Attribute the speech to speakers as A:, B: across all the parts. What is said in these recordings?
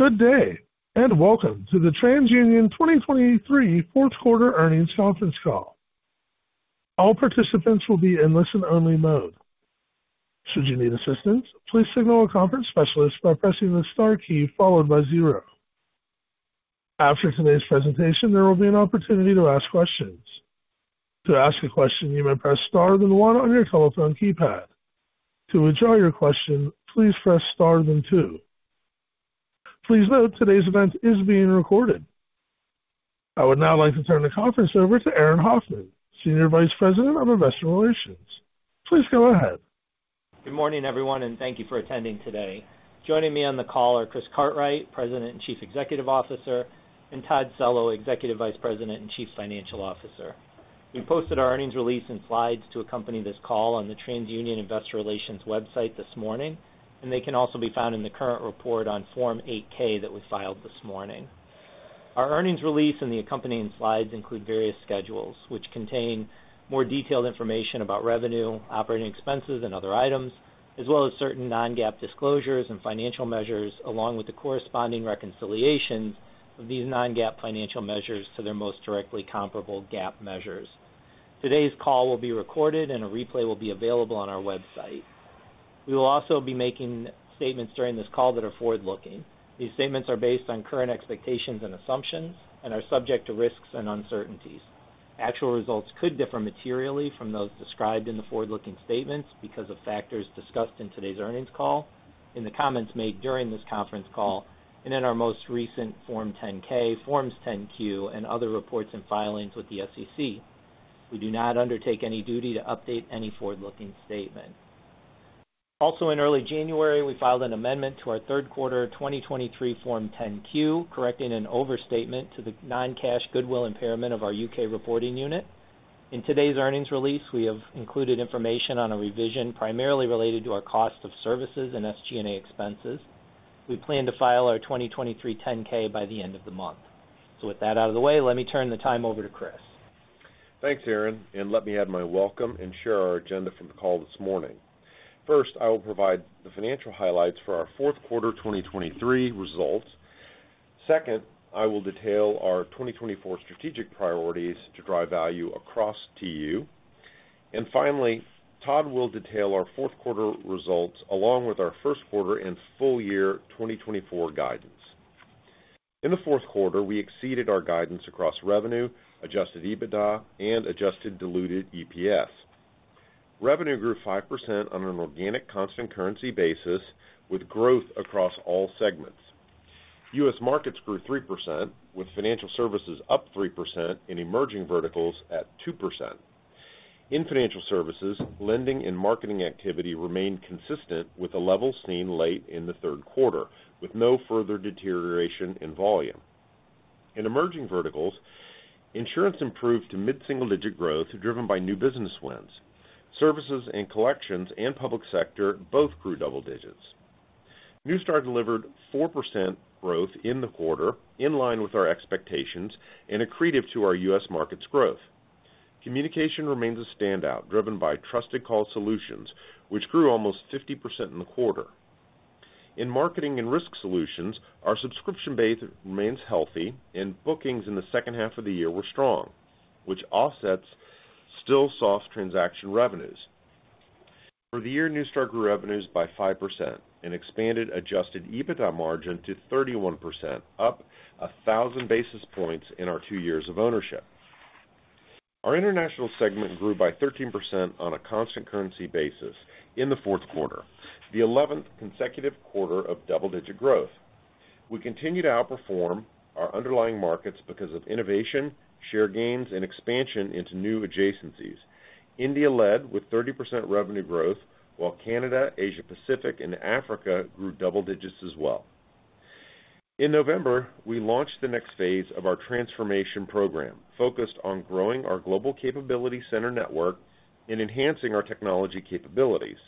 A: Good day and welcome to the TransUnion 2023 fourth quarter earnings conference call. All participants will be in listen-only mode. Should you need assistance, please signal a conference specialist by pressing the star key followed by zero. After today's presentation, there will be an opportunity to ask questions. To ask a question, you may press star then one on your telephone keypad. To withdraw your question, please press star then two. Please note today's event is being recorded. I would now like to turn the conference over to Aaron Hoffman, Senior Vice President of Investor Relations. Please go ahead.
B: Good morning, everyone, and thank you for attending today. Joining me on the call are Chris Cartwright, President and Chief Executive Officer, and Todd Cello, Executive Vice President and Chief Financial Officer. We posted our earnings release and slides to accompany this call on the TransUnion Investor Relations website this morning, and they can also be found in the current report on Form 8-K that we filed this morning. Our earnings release and the accompanying slides include various schedules, which contain more detailed information about revenue, operating expenses, and other items, as well as certain non-GAAP disclosures and financial measures, along with the corresponding reconciliations of these non-GAAP financial measures to their most directly comparable GAAP measures. Today's call will be recorded, and a replay will be available on our website. We will also be making statements during this call that are forward-looking. These statements are based on current expectations and assumptions and are subject to risks and uncertainties. Actual results could differ materially from those described in the forward-looking statements because of factors discussed in today's earnings call, in the comments made during this conference call, and in our most recent Form 10-K, Forms 10-Q, and other reports and filings with the SEC. We do not undertake any duty to update any forward-looking statement. Also, in early January, we filed an amendment to our third quarter 2023 Form 10-Q, correcting an overstatement to the non-cash goodwill impairment of our U.K. reporting unit. In today's earnings release, we have included information on a revision primarily related to our cost of services and SG&A expenses. We plan to file our 2023 Form 10-K by the end of the month. So with that out of the way, let me turn the time over to Chris.
C: Thanks, Aaron, and let me add my welcome and share our agenda from the call this morning. First, I will provide the financial highlights for our fourth quarter 2023 results. Second, I will detail our 2024 strategic priorities to drive value across TU. And finally, Todd will detail our fourth quarter results along with our first quarter and full year 2024 guidance. In the fourth quarter, we exceeded our guidance across revenue, adjusted EBITDA, and adjusted diluted EPS. Revenue grew 5% on an organic constant currency basis with growth across all segments. U.S. Markets grew 3%, with Financial Services up 3% and Emerging Verticals at 2%. In Financial Services, lending and marketing activity remained consistent with a level seen late in the third quarter, with no further deterioration in volume. In Emerging Verticals, Insurance improved to mid-single digit growth driven by new business wins. Services and Collections and Public Sector both grew double digits. Neustar delivered 4% growth in the quarter in line with our expectations and accretive to our U.S. Markets growth. Communication remains a standout driven by Trusted Call Solutions, which grew almost 50% in the quarter. In Marketing and Risk Solutions, our subscription base remains healthy, and bookings in the second half of the year were strong, which offsets still-soft transaction revenues. For the year, Neustar grew revenues by 5% and expanded Adjusted EBITDA margin to 31%, up 1,000 basis points in our two years of ownership. Our International segment grew by 13% on a constant currency basis in the fourth quarter, the 11th consecutive quarter of double digit growth. We continue to outperform our underlying markets because of innovation, share gains, and expansion into new adjacencies. India led with 30% revenue growth, while Canada, Asia-Pacific, and Africa grew double digits as well. In November, we launched the next phase of our transformation program focused on growing our Global Capability Center network and enhancing our technology capabilities.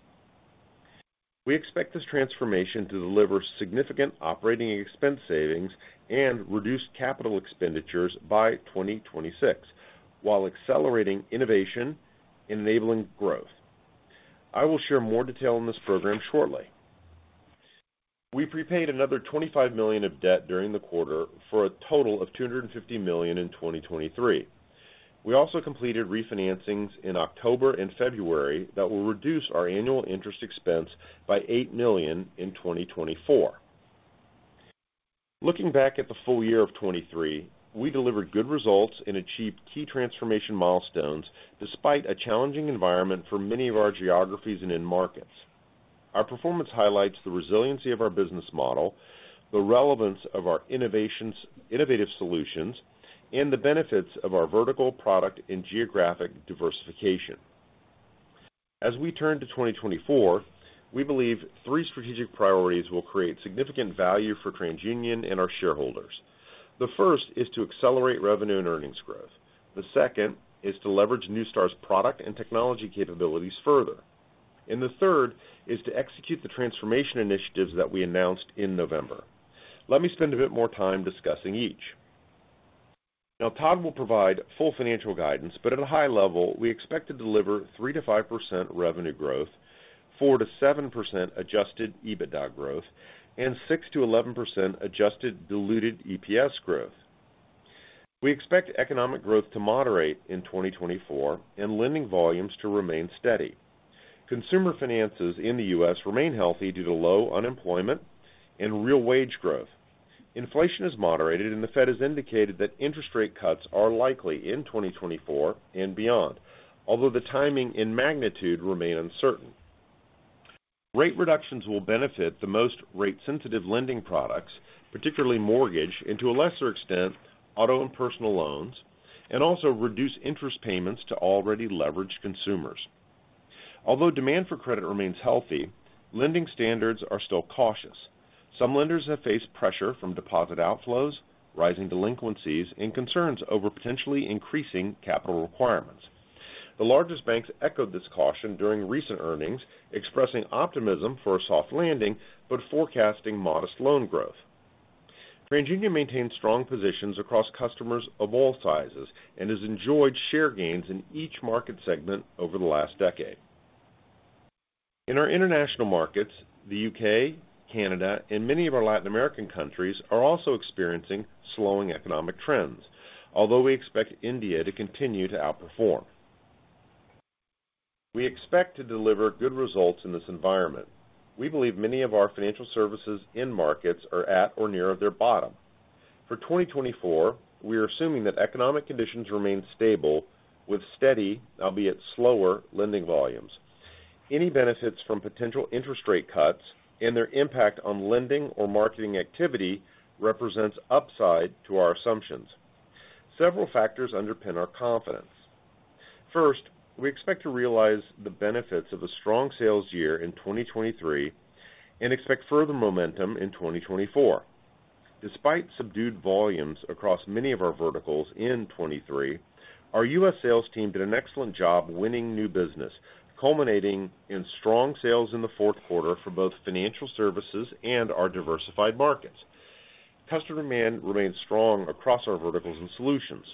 C: We expect this transformation to deliver significant operating expense savings and reduced capital expenditures by 2026 while accelerating innovation and enabling growth. I will share more detail in this program shortly. We prepaid another $25 million of debt during the quarter for a total of $250 million in 2023. We also completed refinancings in October and February that will reduce our annual interest expense by $8 million in 2024. Looking back at the full year of 2023, we delivered good results and achieved key transformation milestones despite a challenging environment for many of our geographies and in markets. Our performance highlights the resiliency of our business model, the relevance of our innovative solutions, and the benefits of our vertical product and geographic diversification. As we turn to 2024, we believe three strategic priorities will create significant value for TransUnion and our shareholders. The first is to accelerate revenue and earnings growth. The second is to leverage Neustar's product and technology capabilities further. And the third is to execute the transformation initiatives that we announced in November. Let me spend a bit more time discussing each. Now, Todd will provide full financial guidance, but at a high level, we expect to deliver 3%-5% revenue growth, 4%-7% Adjusted EBITDA growth, and 6%-11% Adjusted Diluted EPS growth. We expect economic growth to moderate in 2024 and lending volumes to remain steady. Consumer finances in the U.S. remain healthy due to low unemployment and real wage growth. Inflation is moderated, and the Fed has indicated that interest rate cuts are likely in 2024 and beyond, although the timing and magnitude remain uncertain. Rate reductions will benefit the most rate-sensitive lending products, particularly Mortgage, and to a lesser extent, Auto and Personal Loans, and also reduce interest payments to already leveraged consumers. Although demand for credit remains healthy, lending standards are still cautious. Some lenders have faced pressure from deposit outflows, rising delinquencies, and concerns over potentially increasing capital requirements. The largest banks echoed this caution during recent earnings, expressing optimism for a soft landing but forecasting modest loan growth. TransUnion maintains strong positions across customers of all sizes and has enjoyed share gains in each market segment over the last decade. In our International Markets, the U.K., Canada, and many of our Latin American countries are also experiencing slowing economic trends, although we expect India to continue to outperform. We expect to deliver good results in this environment. We believe many of our Financial Services in markets are at or near their bottom. For 2024, we are assuming that economic conditions remain stable with steady, albeit slower, lending volumes. Any benefits from potential interest rate cuts and their impact on lending or marketing activity represents upside to our assumptions. Several factors underpin our confidence. First, we expect to realize the benefits of a strong sales year in 2023 and expect further momentum in 2024. Despite subdued volumes across many of our verticals in 2023, our U.S. sales team did an excellent job winning new business, culminating in strong sales in the fourth quarter for both Financial Services and our diversified markets. Customer demand remains strong across our verticals and solutions.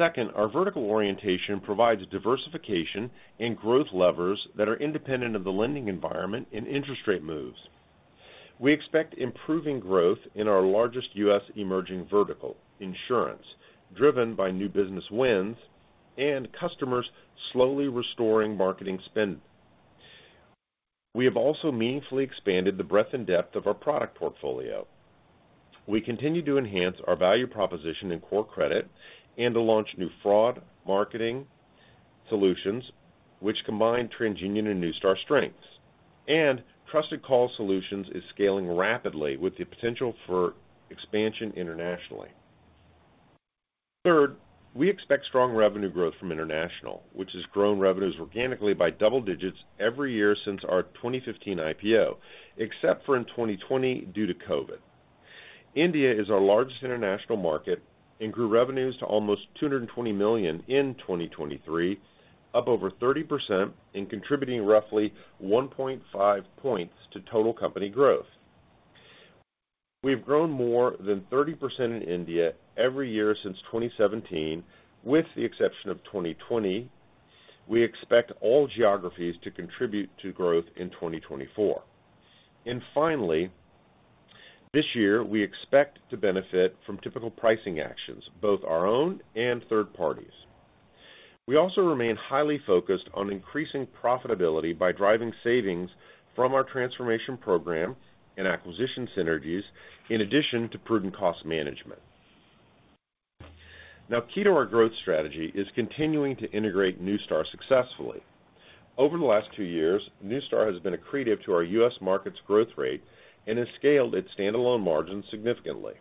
C: Second, our vertical orientation provides diversification and growth levers that are independent of the lending environment and interest rate moves. We expect improving growth in our largest U.S. Emerging Verticals, insurance, driven by new business wins, and customers slowly restoring marketing spend. We have also meaningfully expanded the breadth and depth of our product portfolio. We continue to enhance our value proposition in core credit and to launch new fraud marketing solutions, which combine TransUnion and Neustar strengths. Trusted Call Solutions are scaling rapidly with the potential for expansion internationally. Third, we expect strong revenue growth from International, which has grown revenues organically by double digits every year since our 2015 IPO, except for in 2020 due to COVID. India is our largest International Market and grew revenues to almost $220 million in 2023, up over 30% and contributing roughly 1.5 points to total company growth. We have grown more than 30% in India every year since 2017, with the exception of 2020. We expect all geographies to contribute to growth in 2024. Finally, this year, we expect to benefit from typical pricing actions, both our own and third parties. We also remain highly focused on increasing profitability by driving savings from our transformation program and acquisition synergies, in addition to prudent cost management. Now, key to our growth strategy is continuing to integrate Neustar successfully. Over the last two years, Neustar has been accretive to our U.S. Markets growth rate and has scaled its standalone margin significantly.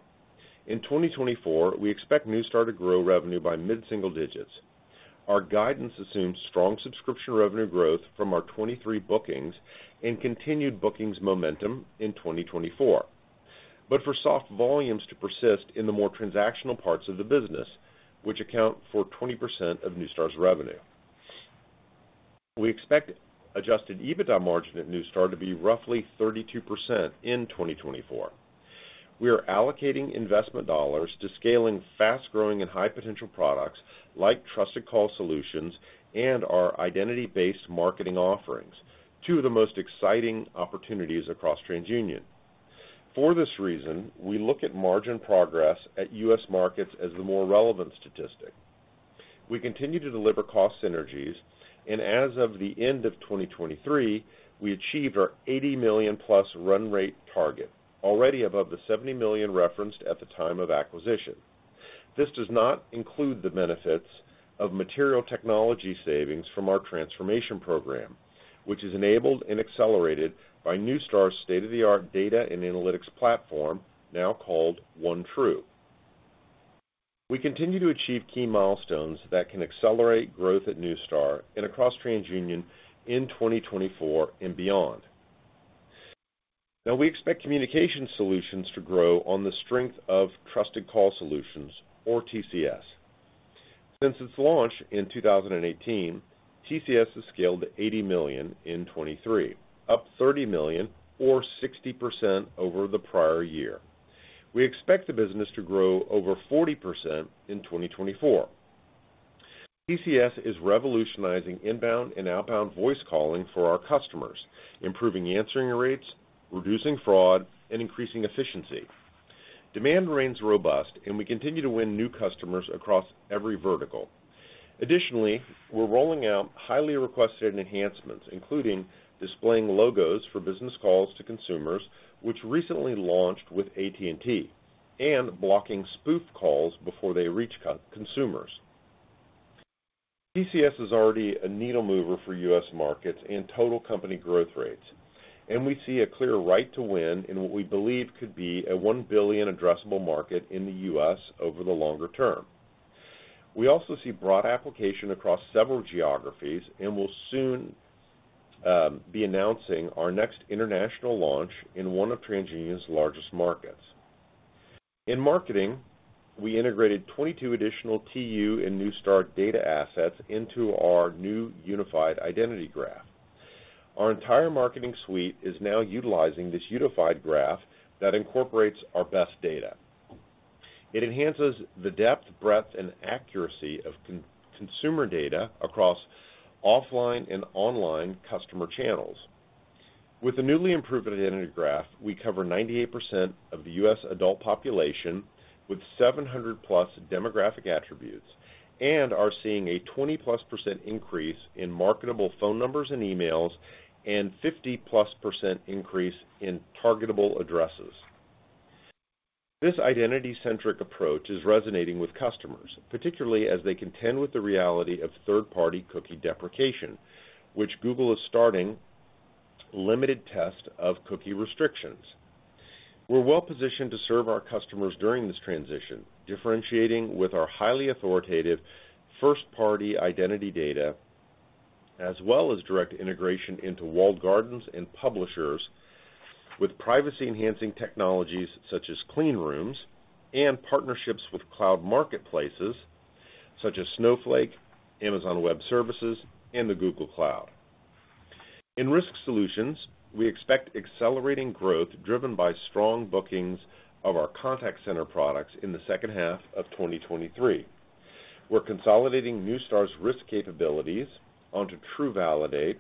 C: In 2024, we expect Neustar to grow revenue by mid-single digits. Our guidance assumes strong subscription revenue growth from our 23 bookings and continued bookings momentum in 2024, but for soft volumes to persist in the more transactional parts of the business, which account for 20% of Neustar's revenue. We expect Adjusted EBITDA margin at Neustar to be roughly 32% in 2024. We are allocating investment dollars to scaling fast-growing and high-potential products like Trusted Call Solutions and our identity-based marketing offerings, two of the most exciting opportunities across TransUnion. For this reason, we look at margin progress at U.S. Markets as the more relevant statistic. We continue to deliver cost synergies, and as of the end of 2023, we achieved our $80 million-plus run rate target, already above the $70 million referenced at the time of acquisition. This does not include the benefits of material technology savings from our transformation program, which is enabled and accelerated by Neustar's state-of-the-art data and analytics platform, now called OneTru. We continue to achieve key milestones that can accelerate growth at Neustar and across TransUnion in 2024 and beyond. Now, we expect communication solutions to grow on the strength of Trusted Call Solutions, or TCS. Since its launch in 2018, TCS has scaled to $80 million in 2023, up $30 million or 60% over the prior year. We expect the business to grow over 40% in 2024. TCS is revolutionizing inbound and outbound voice calling for our customers, improving answering rates, reducing fraud, and increasing efficiency. Demand remains robust, and we continue to win new customers across every vertical. Additionally, we're rolling out highly requested enhancements, including displaying logos for business calls to consumers, which recently launched with AT&T, and blocking spoof calls before they reach consumers. TCS is already a needle mover for U.S. Markets and total company growth rates, and we see a clear right to win in what we believe could be a one billion addressable market in the U.S. over the longer term. We also see broad application across several geographies and will soon be announcing our next International launch in one of TransUnion's largest markets. In marketing, we integrated 22 additional TU and Neustar data assets into our new unified identity graph. Our entire marketing suite is now utilizing this unified graph that incorporates our best data. It enhances the depth, breadth, and accuracy of consumer data across offline and online customer channels. With the newly improved identity graph, we cover 98% of the U.S. adult population with 700+ demographic attributes and are seeing a 20%+ increase in marketable phone numbers and emails and 50%+ increase in targetable addresses. This identity-centric approach is resonating with customers, particularly as they contend with the reality of third-party cookie deprecation, which Google is starting limited tests of cookie restrictions. We're well positioned to serve our customers during this transition, differentiating with our highly authoritative first-party identity data as well as direct integration into walled gardens and publishers with privacy-enhancing technologies such as Clean Rooms and partnerships with cloud marketplaces such as Snowflake, Amazon Web Services, and the Google Cloud. In risk solutions, we expect accelerating growth driven by strong bookings of our contact center products in the second half of 2023. We're consolidating Neustar's risk capabilities onto TruValidate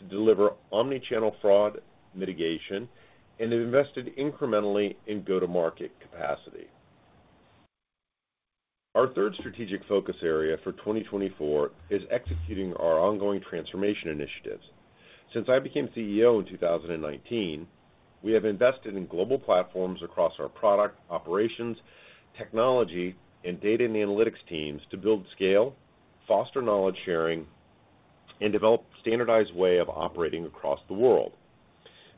C: to deliver omnichannel fraud mitigation and have invested incrementally in go-to-market capacity. Our third strategic focus area for 2024 is executing our ongoing transformation initiatives. Since I became CEO in 2019, we have invested in global platforms across our product, operations, technology, and data and analytics teams to build scale, foster knowledge sharing, and develop standardized ways of operating across the world.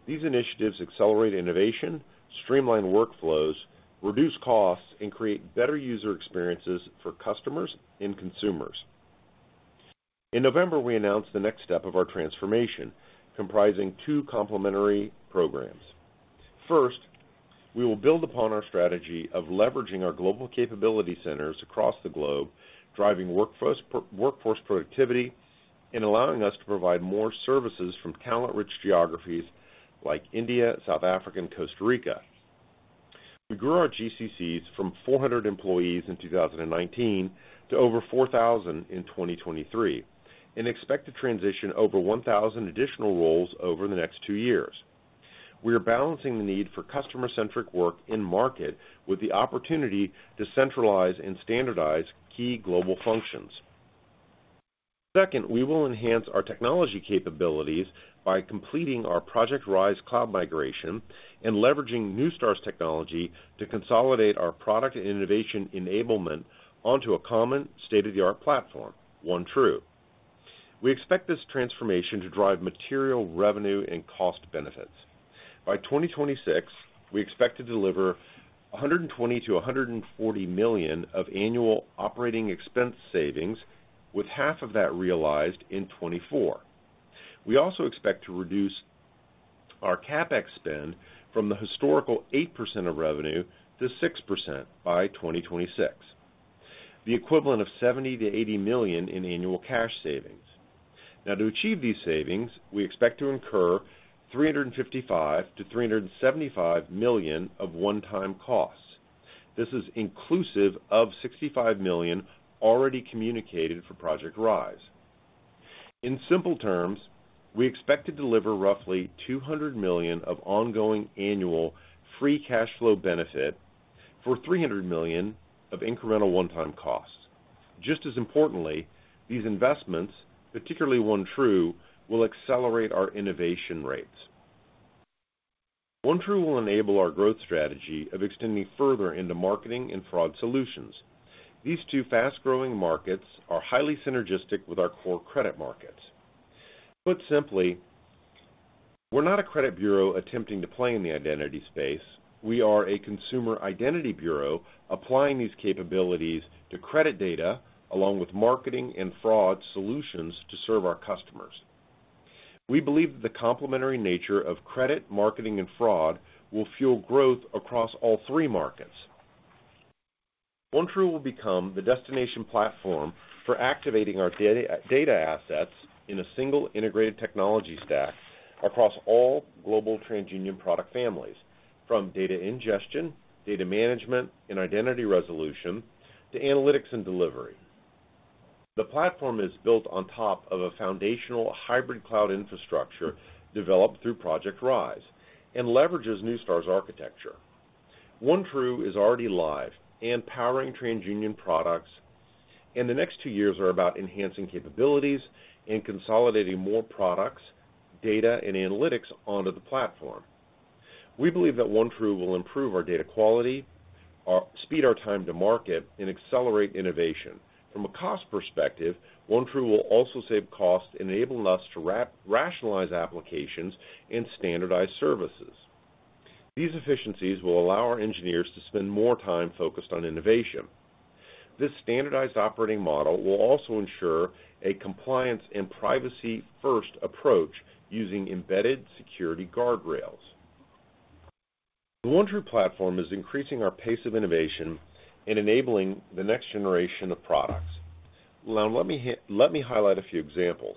C: These initiatives accelerate innovation, streamline workflows, reduce costs, and create better user experiences for customers and consumers. In November, we announced the next step of our transformation, comprising two complementary programs. First, we will build upon our strategy of leveraging our global capability centers across the globe, driving workforce productivity, and allowing us to provide more services from talent-rich geographies like India, South Africa, and Costa Rica. We grew our GCCs from 400 employees in 2019 to over 4,000 in 2023 and expect to transition over 1,000 additional roles over the next two years. We are balancing the need for customer-centric work in market with the opportunity to centralize and standardize key global functions. Second, we will enhance our technology capabilities by completing our Project Rise cloud migration and leveraging Neustar's technology to consolidate our product and innovation enablement onto a common state-of-the-art platform, OneTru. We expect this transformation to drive material revenue and cost benefits. By 2026, we expect to deliver $120-140 million of annual operating expense savings, with half of that realized in 2024. We also expect to reduce our CapEx spend from the historical 8% of revenue to 6% by 2026, the equivalent of $70-80 million in annual cash savings. Now, to achieve these savings, we expect to incur $355 million-$375 million of one-time costs. This is inclusive of $65 million already communicated for Project Rise. In simple terms, we expect to deliver roughly $200 million of ongoing annual free cash flow benefit for $300 million of incremental one-time costs. Just as importantly, these investments, particularly OneTru, will accelerate our innovation rates. OneTru will enable our growth strategy of extending further into Marketing and Fraud Solutions. These two fast-growing markets are highly synergistic with our core credit markets. Put simply, we're not a credit bureau attempting to play in the identity space. We are a consumer identity bureau applying these capabilities to credit data along with Marketing and Fraud Solutions to serve our customers. We believe that the complementary nature of credit, marketing, and fraud will fuel growth across all three markets. OneTru will become the destination platform for activating our data assets in a single integrated technology stack across all global TransUnion product families, from data ingestion, data management, and identity resolution to analytics and delivery. The platform is built on top of a foundational hybrid cloud infrastructure developed through Project Rise and leverages Neustar's architecture. OneTru is already live and powering TransUnion products, and the next two years are about enhancing capabilities and consolidating more products, data, and analytics onto the platform. We believe that OneTru will improve our data quality, speed our time to market, and accelerate innovation. From a cost perspective, OneTru will also save costs and enable us to rationalize applications and standardize services. These efficiencies will allow our engineers to spend more time focused on innovation. This standardized operating model will also ensure a compliance and privacy-first approach using embedded security guardrails. The OneTru platform is increasing our pace of innovation and enabling the next generation of products. Now, let me highlight a few examples.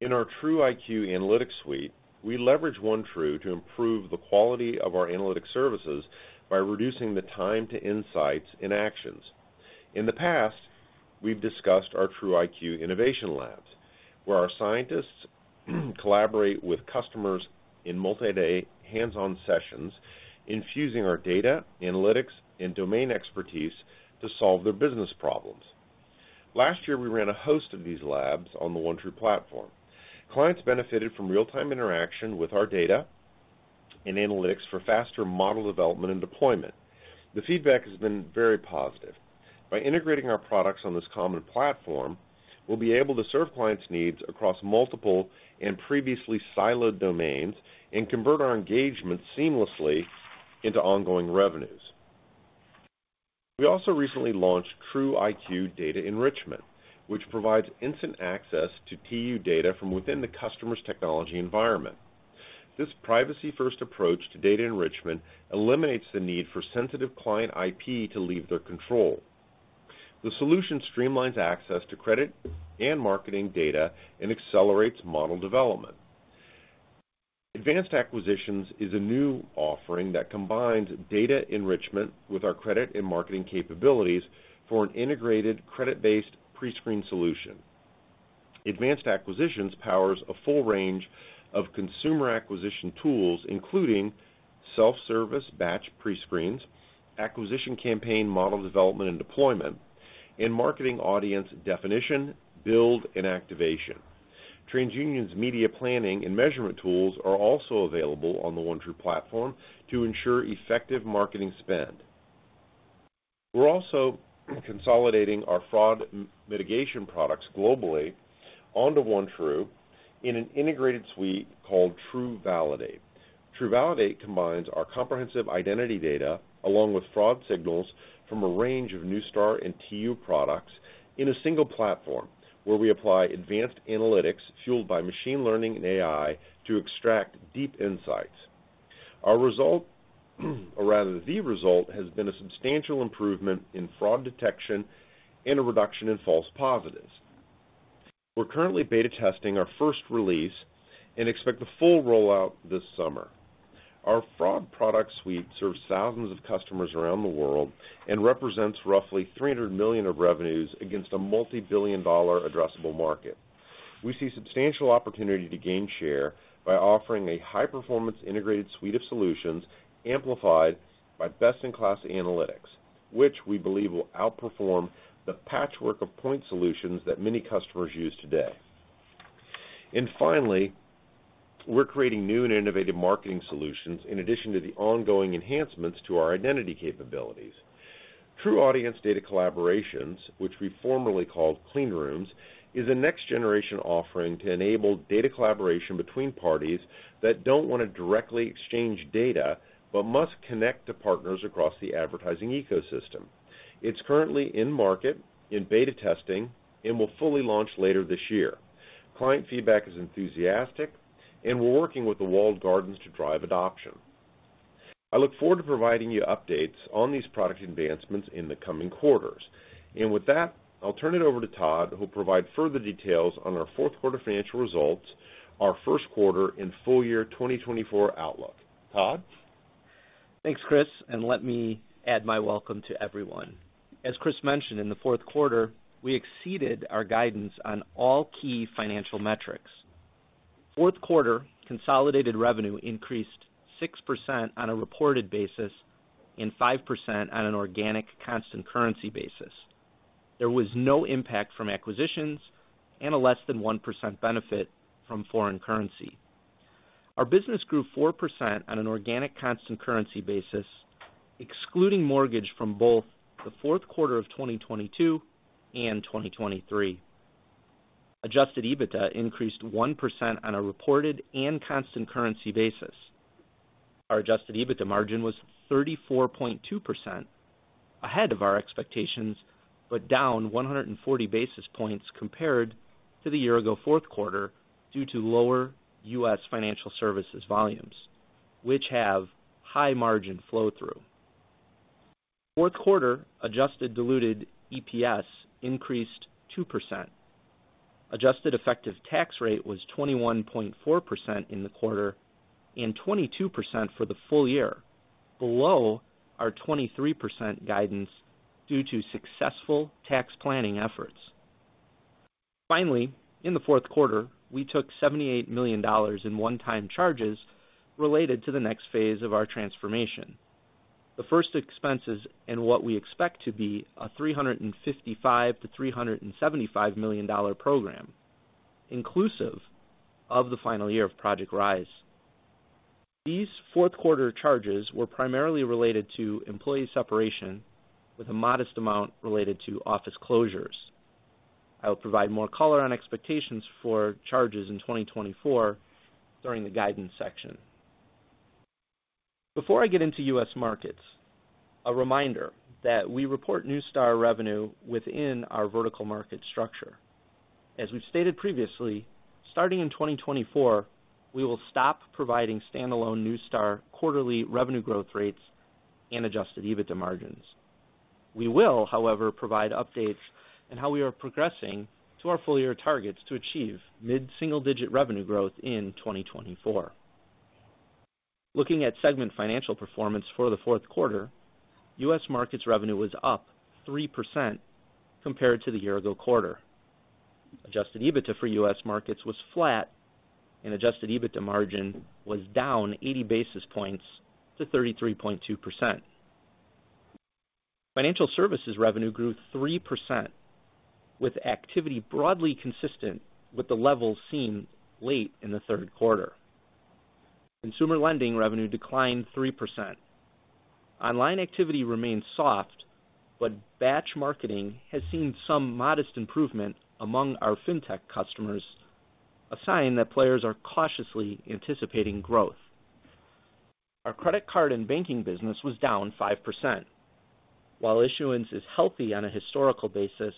C: In our TruIQ analytics suite, we leverage OneTru to improve the quality of our analytic services by reducing the time to insights and actions. In the past, we've discussed our TruIQ Innovation Labs, where our scientists collaborate with customers in multi-day, hands-on sessions, infusing our data, analytics, and domain expertise to solve their business problems. Last year, we ran a host of these labs on the OneTru platform. Clients benefited from real-time interaction with our data and analytics for faster model development and deployment. The feedback has been very positive. By integrating our products on this common platform, we'll be able to serve clients' needs across multiple and previously siloed domains and convert our engagement seamlessly into ongoing revenues. We also recently launched TruIQ Data Enrichment, which provides instant access to TU data from within the customer's technology environment. This privacy-first approach to data enrichment eliminates the need for sensitive client IP to leave their control. The solution streamlines access to credit and marketing data and accelerates model development. Advanced Acquisitions is a new offering that combines data enrichment with our credit and marketing capabilities for an integrated credit-based prescreen solution. Advanced Acquisitions powers a full range of consumer acquisition tools, including self-service batch prescreens, acquisition campaign model development and deployment, and marketing audience definition, build, and activation. TransUnion's Media planning and measurement tools are also available on the OneTru platform to ensure effective marketing spend. We're also consolidating our fraud mitigation products globally onto OneTru in an integrated suite called TruValidate. TruValidate combines our comprehensive identity data along with fraud signals from a range of Neustar and TU products in a single platform, where we apply advanced analytics fueled by machine learning and AI to extract deep insights. Our result, or rather the result, has been a substantial improvement in fraud detection and a reduction in false positives. We're currently beta testing our first release and expect the full rollout this summer. Our fraud product suite serves thousands of customers around the world and represents roughly $300 million of revenues against a multi-billion-dollar addressable market. We see substantial opportunity to gain share by offering a high-performance integrated suite of solutions amplified by best-in-class analytics, which we believe will outperform the patchwork of point solutions that many customers use today. And finally, we're creating new and innovative marketing solutions in addition to the ongoing enhancements to our identity capabilities. TruAudience Data Collaborations, which we formerly called Clean Rooms, is a next-generation offering to enable data collaboration between parties that don't want to directly exchange data but must connect to partners across the advertising ecosystem. It's currently in market, in beta testing, and will fully launch later this year. Client feedback is enthusiastic, and we're working with the walled gardens to drive adoption. I look forward to providing you updates on these product advancements in the coming quarters. And with that, I'll turn it over to Todd, who will provide further details on our fourth quarter financial results, our first quarter and full year 2024 outlook. Todd?
D: Thanks, Chris. Let me add my welcome to everyone. As Chris mentioned, in the fourth quarter, we exceeded our guidance on all key financial metrics. Fourth quarter consolidated revenue increased 6% on a reported basis and 5% on an organic constant currency basis. There was no impact from acquisitions and a less than 1% benefit from foreign currency. Our business grew 4% on an organic constant currency basis, excluding mortgage from both the fourth quarter of 2022 and 2023. Adjusted EBITDA increased 1% on a reported and constant currency basis. Our adjusted EBITDA margin was 34.2% ahead of our expectations but down 140 basis points compared to the year-ago fourth quarter due to lower U.S. Financial Services volumes, which have high margin flow-through. Fourth quarter adjusted diluted EPS increased 2%. Adjusted effective tax rate was 21.4% in the quarter and 22% for the full year, below our 23% guidance due to successful tax planning efforts. Finally, in the fourth quarter, we took $78 million in one-time charges related to the next phase of our transformation. The first expenses. And what we expect to be a $355-$375 million program, inclusive of the final year of Project Rise. These fourth quarter charges were primarily related to employee separation, with a modest amount related to office closures. I will provide more color on expectations for charges in 2024 during the guidance section. Before I get into U.S. Markets, a reminder that we report Neustar revenue within our vertical market structure. As we've stated previously, starting in 2024, we will stop providing standalone Neustar quarterly revenue growth rates and Adjusted EBITDA margins. We will, however, provide updates on how we are progressing to our full-year targets to achieve mid-single-digit revenue growth in 2024. Looking at segment financial performance for the fourth quarter, U.S. Markets revenue was up 3% compared to the year-ago quarter. Adjusted EBITDA for U.S. Markets was flat, and adjusted EBITDA margin was down 80 basis points to 33.2%. Financial Services revenue grew 3%, with activity broadly consistent with the levels seen late in the third quarter. Consumer lending revenue declined 3%. Online activity remained soft, but batch marketing has seen some modest improvement among our fintech customers, a sign that players are cautiously anticipating growth. Our credit card and banking business was down 5%. While issuance is healthy on a historical basis,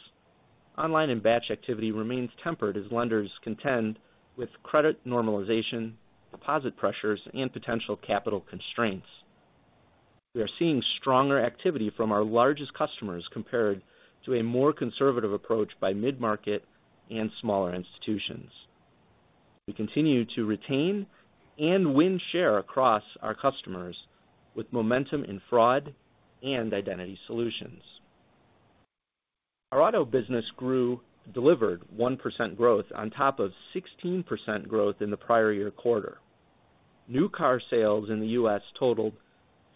D: online and batch activity remains tempered, as lenders contend with credit normalization, deposit pressures, and potential capital constraints. We are seeing stronger activity from our largest customers compared to a more conservative approach by mid-market and smaller institutions. We continue to retain and win share across our customers with momentum in fraud and identity solutions. Our auto business grew, delivered 1% growth on top of 16% growth in the prior year quarter. New car sales in the U.S. totaled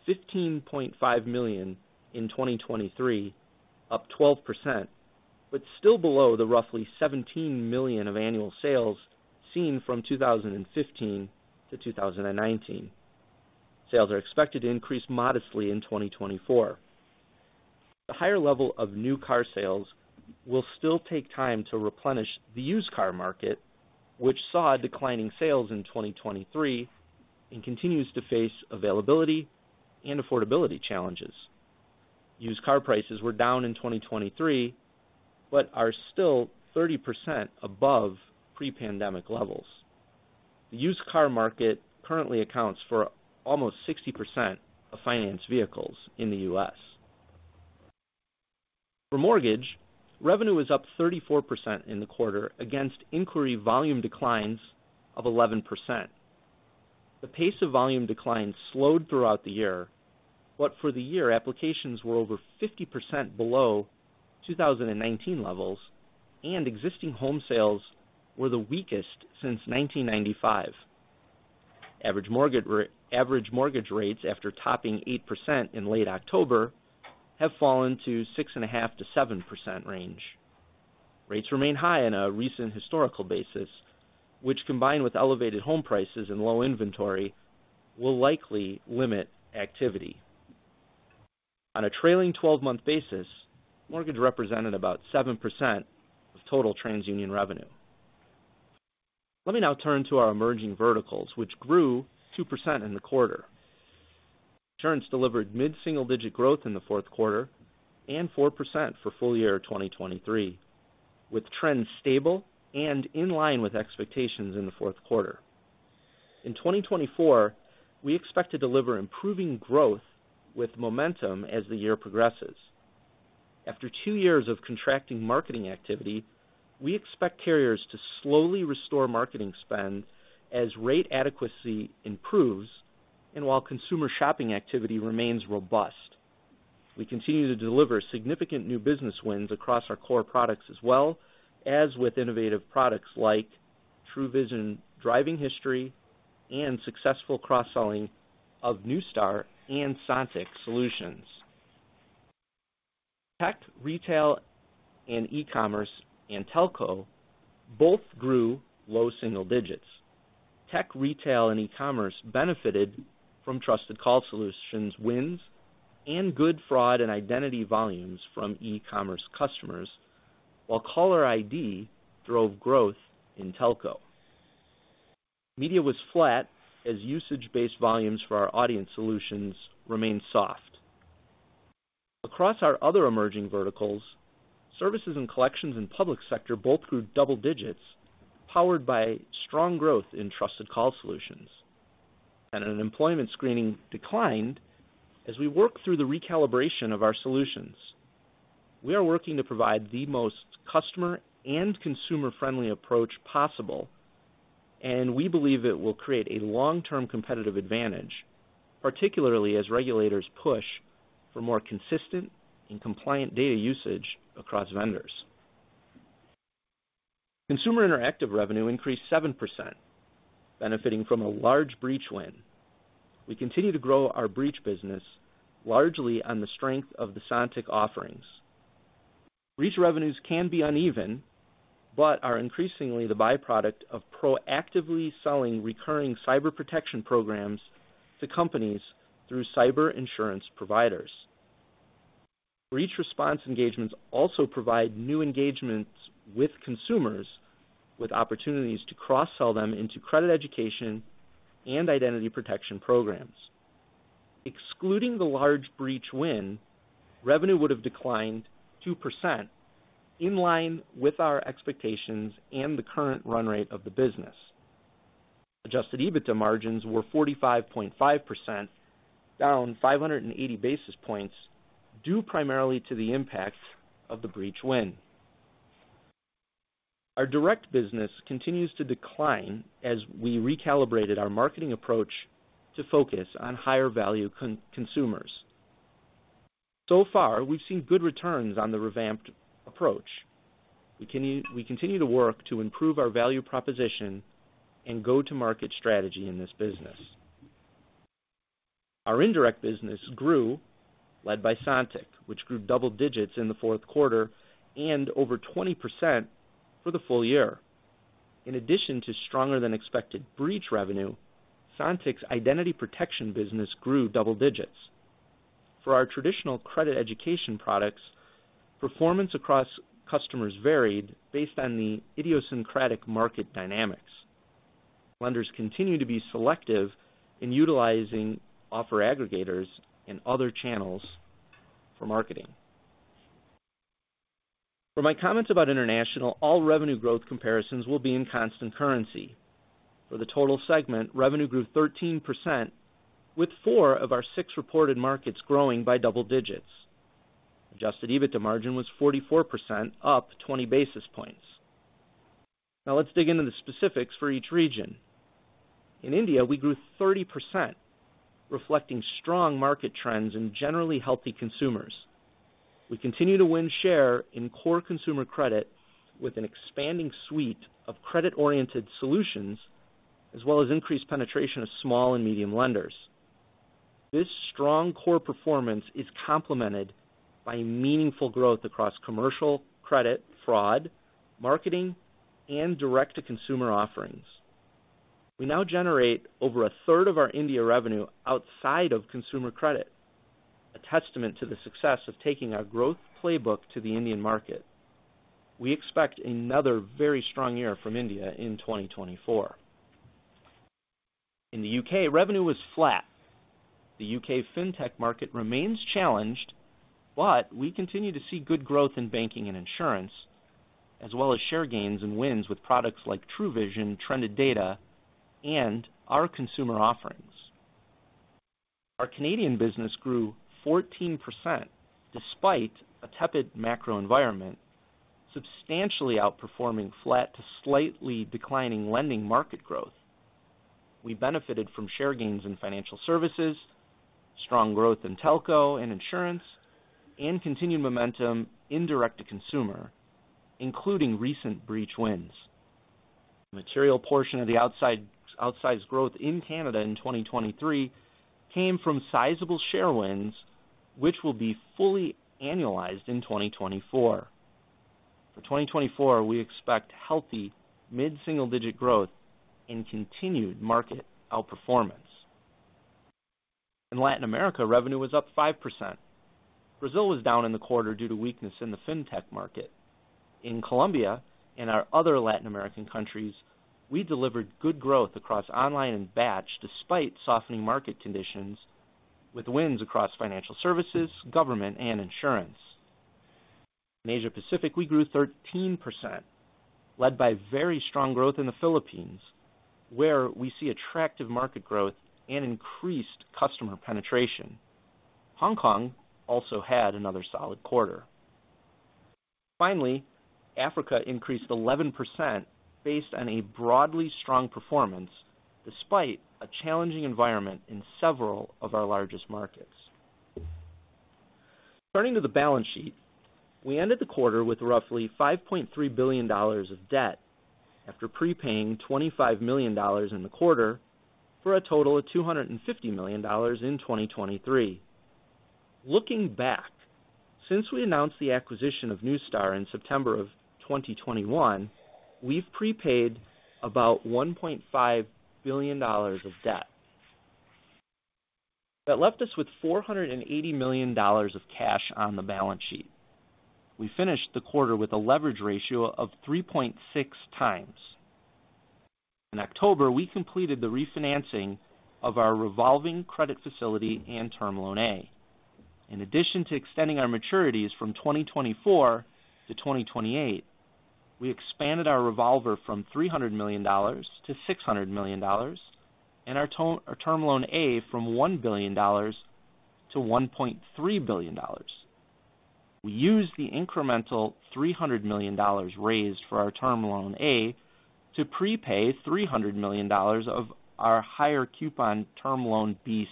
D: 15.5 million in 2023, up 12%, but still below the roughly 17 million of annual sales seen from 2015 to 2019. Sales are expected to increase modestly in 2024. The higher level of new car sales will still take time to replenish the used car market, which saw declining sales in 2023 and continues to face availability and affordability challenges. Used car prices were down in 2023 but are still 30% above pre-pandemic levels. The used car market currently accounts for almost 60% of finance vehicles in the U.S. For mortgage, revenue was up 34% in the quarter against inquiry volume declines of 11%. The pace of volume declines slowed throughout the year, but for the year, applications were over 50% below 2019 levels, and existing home sales were the weakest since 1995. Average mortgage rates after topping 8% in late October have fallen to 6.5%-7% range. Rates remain high on a recent historical basis, which, combined with elevated home prices and low inventory, will likely limit activity. On a trailing 12-month basis, mortgage represented about 7% of total TransUnion revenue. Let me now turn to our Emerging Verticals, which grew 2% in the quarter. Insurance delivered mid-single-digit growth in the fourth quarter and 4% for full year 2023, with trends stable and in line with expectations in the fourth quarter. In 2024, we expect to deliver improving growth with momentum as the year progresses. After two years of contracting marketing activity, we expect carriers to slowly restore marketing spend as rate adequacy improves and while consumer shopping activity remains robust. We continue to deliver significant new business wins across our core products, as well as with innovative products like TruVision Driving History and successful cross-selling of Neustar and Sontiq solutions. Tech, Retail, and E-commerce and Telco both grew low single digits. Tech, Retail, and E-commerce benefited from Trusted Call Solutions wins and good fraud and identity volumes from e-commerce customers, while caller ID drove growth in Telco. Media was flat as usage-based volumes for our audience solutions remained soft. Across our other Emerging Verticals, Services and Collections and Public Sector both grew double digits, powered by strong growth in Trusted Call Solutions. Employment screening declined as we worked through the recalibration of our solutions. We are working to provide the most customer and consumer-friendly approach possible, and we believe it will create a long-term competitive advantage, particularly as regulators push for more consistent and compliant data usage across vendors. Consumer Interactive revenue increased 7%, benefiting from a large breach win. We continue to grow our breach business largely on the strength of the Sontiq offerings. Breach revenues can be uneven, but are increasingly the byproduct of proactively selling recurring cyber protection programs to companies through cyber insurance providers. Breach response engagements also provide new engagements with consumers, with opportunities to cross-sell them into credit education and identity protection programs. Excluding the large breach win, revenue would have declined 2%, in line with our expectations and the current run rate of the business. Adjusted EBITDA margins were 45.5%, down 580 basis points, due primarily to the impact of the breach win. Our direct business continues to decline as we recalibrated our marketing approach to focus on higher-value consumers. So far, we've seen good returns on the revamped approach. We continue to work to improve our value proposition and go-to-market strategy in this business. Our indirect business grew, led by Sontiq, which grew double digits in the fourth quarter and over 20% for the full year. In addition to stronger-than-expected breach revenue, Sontiq's identity protection business grew double digits. For our traditional credit education products, performance across customers varied based on the idiosyncratic market dynamics. Lenders continue to be selective in utilizing offer aggregators and other channels for marketing. For my comments about International, all revenue growth comparisons will be in constant currency. For the total segment, revenue grew 13%, with four of our six reported markets growing by double digits. Adjusted EBITDA margin was 44%, up 20 basis points. Now, let's dig into the specifics for each region. In India, we grew 30%, reflecting strong market trends and generally healthy consumers. We continue to win share in core consumer credit with an expanding suite of credit-oriented solutions, as well as increased penetration of small and medium lenders. This strong core performance is complemented by meaningful growth across commercial credit, fraud, marketing, and Direct-to-Consumer offerings. We now generate over a third of our India revenue outside of consumer credit, a testament to the success of taking our growth playbook to the Indian market. We expect another very strong year from India in 2024. In the U.K., revenue was flat. The U.K. fintech market remains challenged, but we continue to see good growth in banking and insurance, as well as share gains and wins with products like TruVision, Trended Data, and our consumer offerings. Our Canadian business grew 14% despite a tepid macro environment, substantially outperforming flat to slightly declining lending market growth. We benefited from share gains in Financial Services, strong growth in Telco and Insurance, and continued momentum in Direct-to-Consumer, including recent branch wins. The material portion of the outsized growth in Canada in 2023 came from sizable share wins, which will be fully annualized in 2024. For 2024, we expect healthy mid-single-digit growth and continued market outperformance. In Latin America, revenue was up 5%. Brazil was down in the quarter due to weakness in the fintech market. In Colombia and our other Latin American countries, we delivered good growth across online and batch despite softening market conditions, with wins across Financial Services, government, and insurance. In Asia-Pacific, we grew 13%, led by very strong growth in the Philippines, where we see attractive market growth and increased customer penetration. Hong Kong also had another solid quarter. Finally, Africa increased 11% based on a broadly strong performance, despite a challenging environment in several of our largest markets. Turning to the balance sheet, we ended the quarter with roughly $5.3 billion of debt after prepaying $25 million in the quarter for a total of $250 million in 2023. Looking back, since we announced the acquisition of Neustar in September of 2021, we've prepaid about $1.5 billion of debt. That left us with $480 million of cash on the balance sheet. We finished the quarter with a leverage ratio of 3.6 times. In October, we completed the refinancing of our revolving credit facility and term loan A. In addition to extending our maturities from 2024 to 2028, we expanded our revolver from $300 million to $600 million, and our term loan A from $1 billion-$1.3 billion. We used the incremental $300 million raised for our term loan A to prepay $300 million of our higher coupon term loan B6.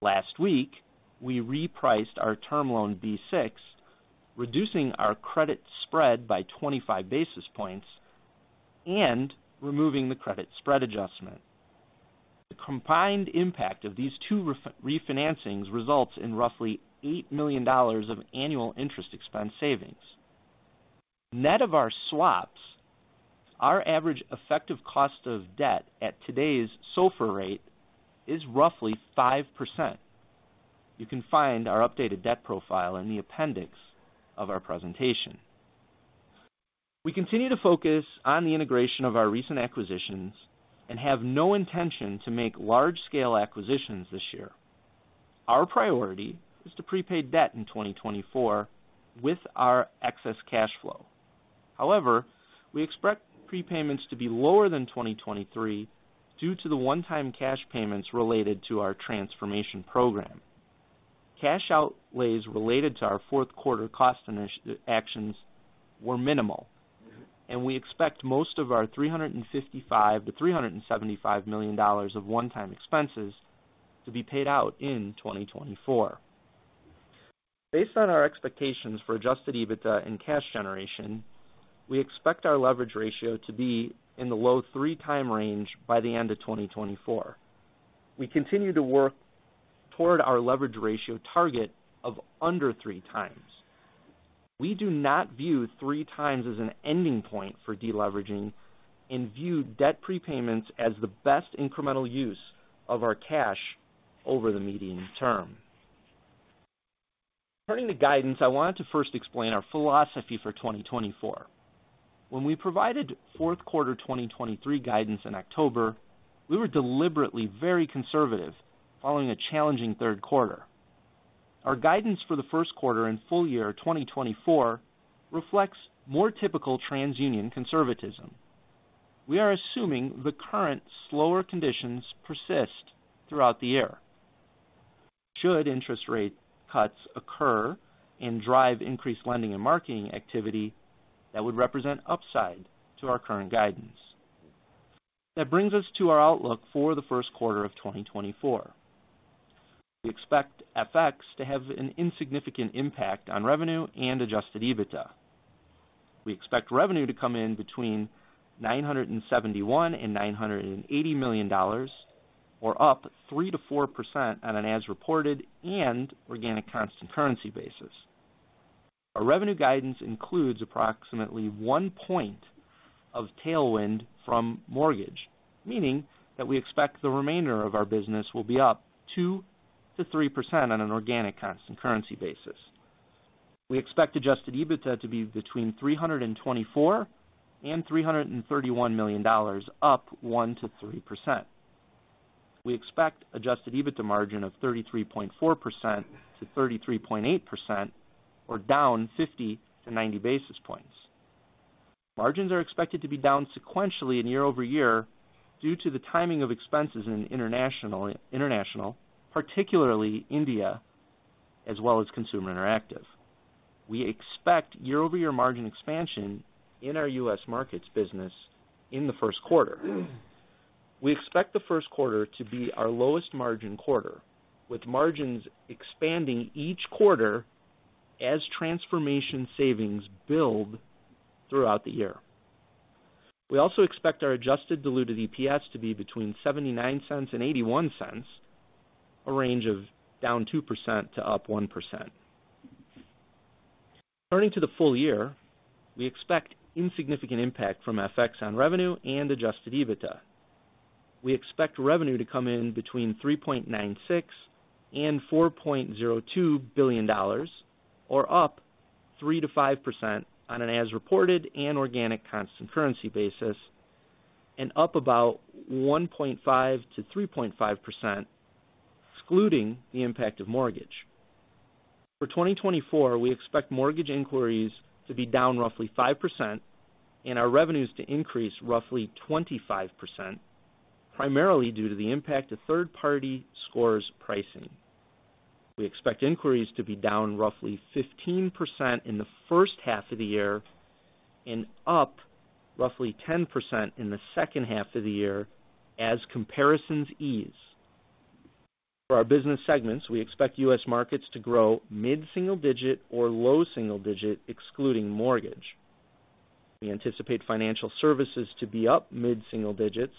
D: Last week, we repriced our term loan B6, reducing our credit spread by 25 basis points and removing the credit spread adjustment. The combined impact of these two refinancings results in roughly $8 million of annual interest expense savings. Net of our swaps, our average effective cost of debt at today's SOFR rate is roughly 5%. You can find our updated debt profile in the appendix of our presentation. We continue to focus on the integration of our recent acquisitions and have no intention to make large-scale acquisitions this year. Our priority is to prepay debt in 2024 with our excess cash flow. However, we expect prepayments to be lower than 2023 due to the one-time cash payments related to our transformation program. Cash outlays related to our fourth quarter cost actions were minimal, and we expect most of our $355-$375 million of one-time expenses to be paid out in 2024. Based on our expectations for adjusted EBITDA and cash generation, we expect our leverage ratio to be in the low three-time range by the end of 2024. We continue to work toward our leverage ratio target of under three times. We do not view three times as an ending point for deleveraging and view debt prepayments as the best incremental use of our cash over the median term. Turning to guidance, I wanted to first explain our philosophy for 2024. When we provided fourth quarter 2023 guidance in October, we were deliberately very conservative following a challenging third quarter. Our guidance for the first quarter and full year 2024 reflects more typical TransUnion conservatism. We are assuming the current slower conditions persist throughout the year. Should interest rate cuts occur and drive increased lending and marketing activity, that would represent upside to our current guidance. That brings us to our outlook for the first quarter of 2024. We expect FX to have an insignificant impact on revenue and adjusted EBITDA. We expect revenue to come in between $971 million-$980 million, or up 3%-4% on an as-reported and organic constant currency basis. Our revenue guidance includes approximately one point of tailwind from mortgage, meaning that we expect the remainder of our business will be up 2%-3% on an organic constant currency basis. We expect adjusted EBITDA to be between $324 million-$331 million, up 1%-3%. We expect adjusted EBITDA margin of 33.4%-33.8%, or down 50 to 90 basis points. Margins are expected to be down sequentially and YoY due to the timing of expenses in International, particularly India, as well as Consumer Interactive. We expect YoY margin expansion in our U.S. Markets business in the first quarter. We expect the first quarter to be our lowest margin quarter, with margins expanding each quarter as transformation savings build throughout the year. We also expect our Adjusted Diluted EPS to be between $0.79 and $0.81, a range of down 2% to up 1%. Turning to the full year, we expect insignificant impact from FX on revenue and Adjusted EBITDA. We expect revenue to come in between $3.96 and $4.02 billion, or up 3%-5% on an as-reported and organic constant currency basis, and up about 1.5%-3.5%, excluding the impact of mortgage. For 2024, we expect mortgage inquiries to be down roughly 5% and our revenues to increase roughly 25%, primarily due to the impact of third-party scores pricing. We expect inquiries to be down roughly 15% in the first half of the year and up roughly 10% in the second half of the year as comparisons ease. For our business segments, we expect U.S. Markets to grow mid-single digit or low single digit, excluding mortgage. We anticipate Financial Services to be up mid-single digits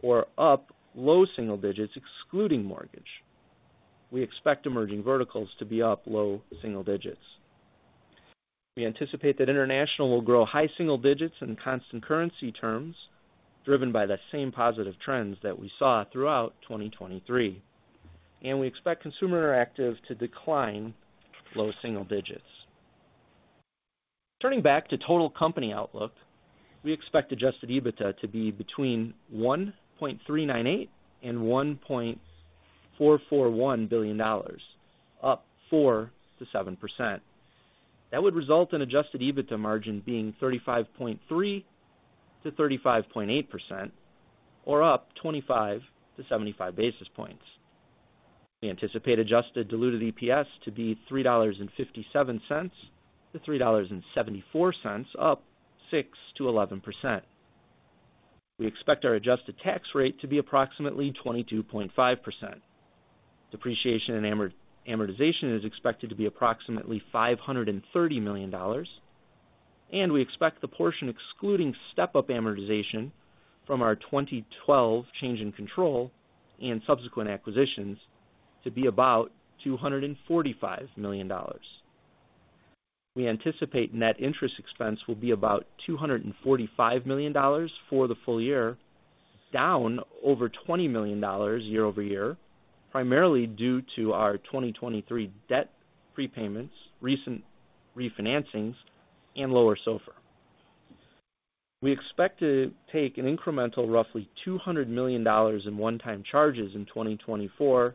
D: or up low single digits, excluding mortgage. We expect Emerging Verticals to be up low single digits. We anticipate that International will grow high single digits in constant currency terms, driven by the same positive trends that we saw throughout 2023. We expect Consumer Interactive to decline low single digits. Turning back to total company outlook, we expect adjusted EBITDA to be between $1.398-$1.441 billion, up 4%-7%. That would result in adjusted EBITDA margin being 35.3%-35.8%, or up 25 to 75 basis points. We anticipate adjusted diluted EPS to be $3.57-$3.74, up 6%-11%. We expect our adjusted tax rate to be approximately 22.5%. Depreciation and amortization is expected to be approximately $530 million. We expect the portion excluding step-up amortization from our 2012 change in control and subsequent acquisitions to be about $245 million. We anticipate net interest expense will be about $245 million for the full year, down over $20 million YoY, primarily due to our 2023 debt prepayments, recent refinancings, and lower SOFR. We expect to take an incremental roughly $200 million in one-time charges in 2024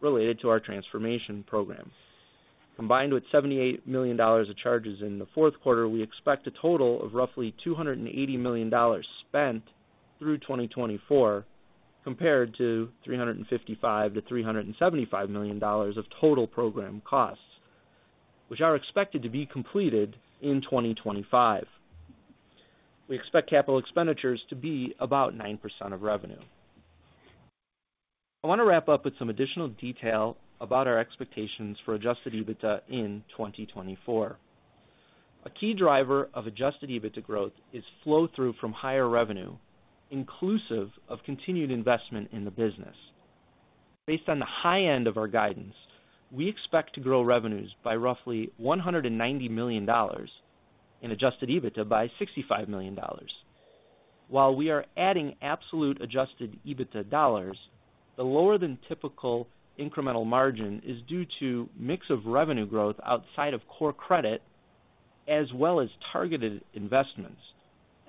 D: related to our transformation program. Combined with $78 million of charges in the fourth quarter, we expect a total of roughly $280 million spent through 2024 compared to $355-$375 million of total program costs, which are expected to be completed in 2025. We expect capital expenditures to be about 9% of revenue. I want to wrap up with some additional detail about our expectations for Adjusted EBITDA in 2024. A key driver of Adjusted EBITDA growth is flow-through from higher revenue, inclusive of continued investment in the business. Based on the high end of our guidance, we expect to grow revenues by roughly $190 million and Adjusted EBITDA by $65 million. While we are adding absolute Adjusted EBITDA dollars, the lower-than-typical incremental margin is due to mix of revenue growth outside of core credit as well as targeted investments,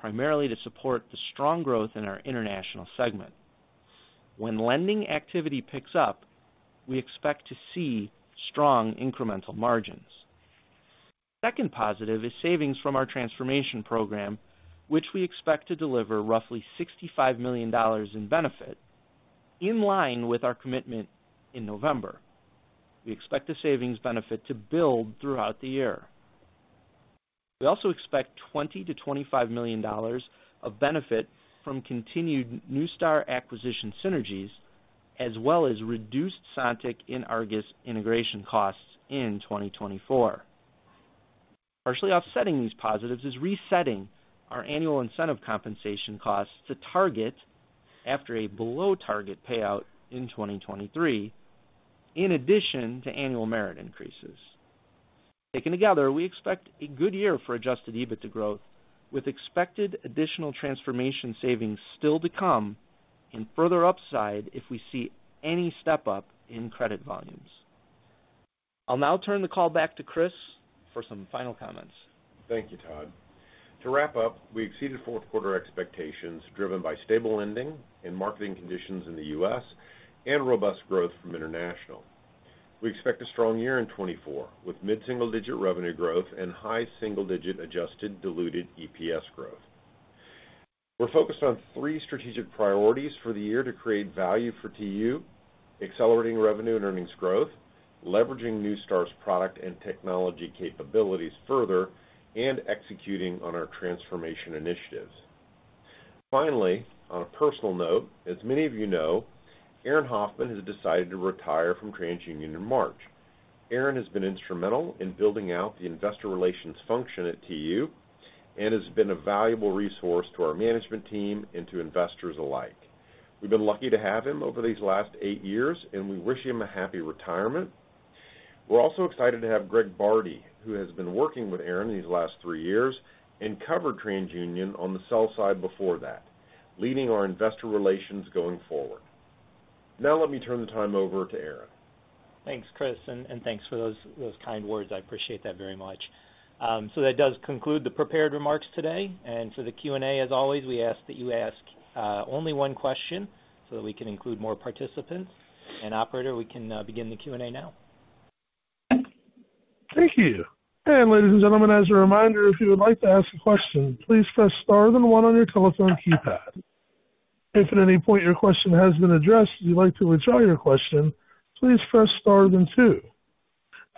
D: primarily to support the strong growth in our International segment. When lending activity picks up, we expect to see strong incremental margins. The second positive is savings from our transformation program, which we expect to deliver roughly $65 million in benefit, in line with our commitment in November. We expect the savings benefit to build throughout the year. We also expect $20-$25 million of benefit from continued Neustar acquisition synergies, as well as reduced Sontiq and Argus integration costs in 2024. Partially offsetting these positives is resetting our annual incentive compensation costs to target after a below-target payout in 2023, in addition to annual merit increases. Taken together, we expect a good year for Adjusted EBITDA growth, with expected additional transformation savings still to come and further upside if we see any step-up in credit volumes. I'll now turn the call back to Chris for some final comments.
C: Thank you, Todd. To wrap up, we exceeded fourth quarter expectations driven by stable lending and marketing conditions in the U.S. and robust growth from International. We expect a strong year in 2024 with mid-single-digit revenue growth and high single-digit Adjusted Diluted EPS growth. We're focused on three strategic priorities for the year to create value for TU: accelerating revenue and earnings growth, leveraging Neustar's product and technology capabilities further, and executing on our transformation initiatives. Finally, on a personal note, as many of you know, Aaron Hoffman has decided to retire from TransUnion in March. Aaron has been instrumental in building out the investor relations function at TU and has been a valuable resource to our management team and to investors alike. We've been lucky to have him over these last eight years, and we wish him a happy retirement. We're also excited to have Greg Bardi, who has been working with Aaron these last three years and covered TransUnion on the sell side before that, leading our investor relations going forward. Now let me turn the time over to Aaron.
B: Thanks, Chris, and thanks for those kind words. I appreciate that very much. That does conclude the prepared remarks today. For the Q&A, as always, we ask that you ask only one question so that we can include more participants. Operator, we can begin the Q&A now.
A: Thank you. And ladies and gentlemen, as a reminder, if you would like to ask a question, please press star, then one on your telephone keypad. If at any point your question has been addressed and you'd like to withdraw your question, please press star, then two.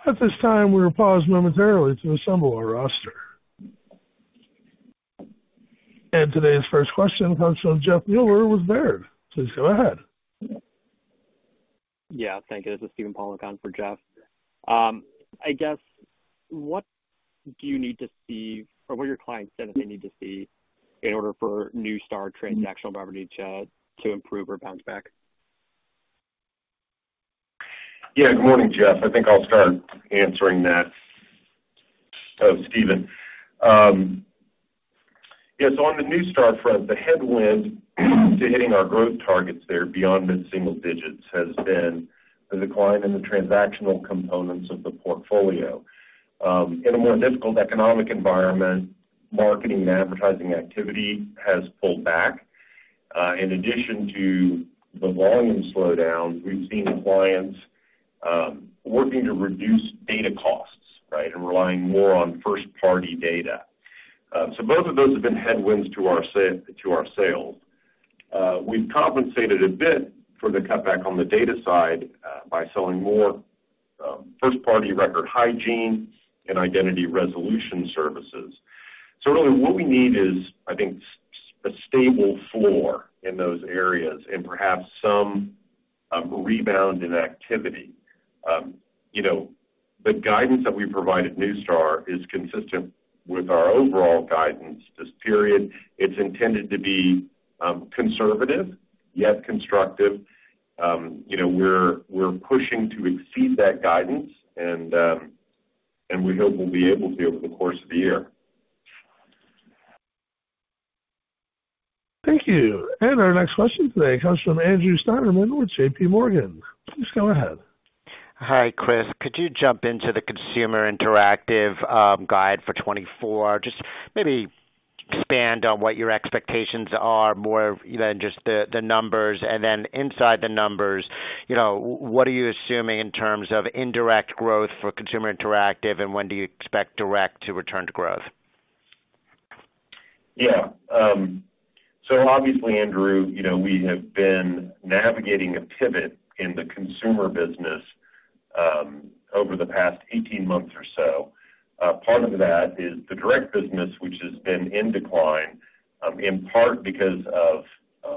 A: At this time, we will pause momentarily to assemble our roster. And today's first question comes from Jeff Meuler with Baird. Please go ahead.
E: Yeah, thank you. This is Steven Pawlak on for Jeff. I guess, what do you need to see or what are your clients saying that they need to see in order for Neustar transactional revenue to improve or bounce back?
C: Yeah, good morning, Jeff. I think I'll start answering that of Steven. Yeah, so on the Neustar front, the headwind to hitting our growth targets there beyond mid-single digits has been the decline in the transactional components of the portfolio. In a more difficult economic environment, marketing and advertising activity has pulled back. In addition to the volume slowdown, we've seen clients working to reduce data costs, right, and relying more on first-party data. So both of those have been headwinds to our sales. We've compensated a bit for the cutback on the data side by selling more first-party record hygiene and identity resolution services. So really, what we need is, I think, a stable floor in those areas and perhaps some rebound in activity. The guidance that we provide at Neustar is consistent with our overall guidance. This period, it's intended to be conservative yet constructive. We're pushing to exceed that guidance, and we hope we'll be able to over the course of the year.
A: Thank you. Our next question today comes from Andrew Steinerman with JPMorgan. Please go ahead.
F: Hi, Chris. Could you jump into the Consumer Interactive guide for 2024? Just maybe expand on what your expectations are more than just the numbers. And then inside the numbers, what are you assuming in terms of indirect growth for Consumer Interactive, and when do you expect direct to return to growth?
C: Yeah. So obviously, Andrew, we have been navigating a pivot in the consumer business over the past 18 months or so. Part of that is the direct business, which has been in decline, in part because of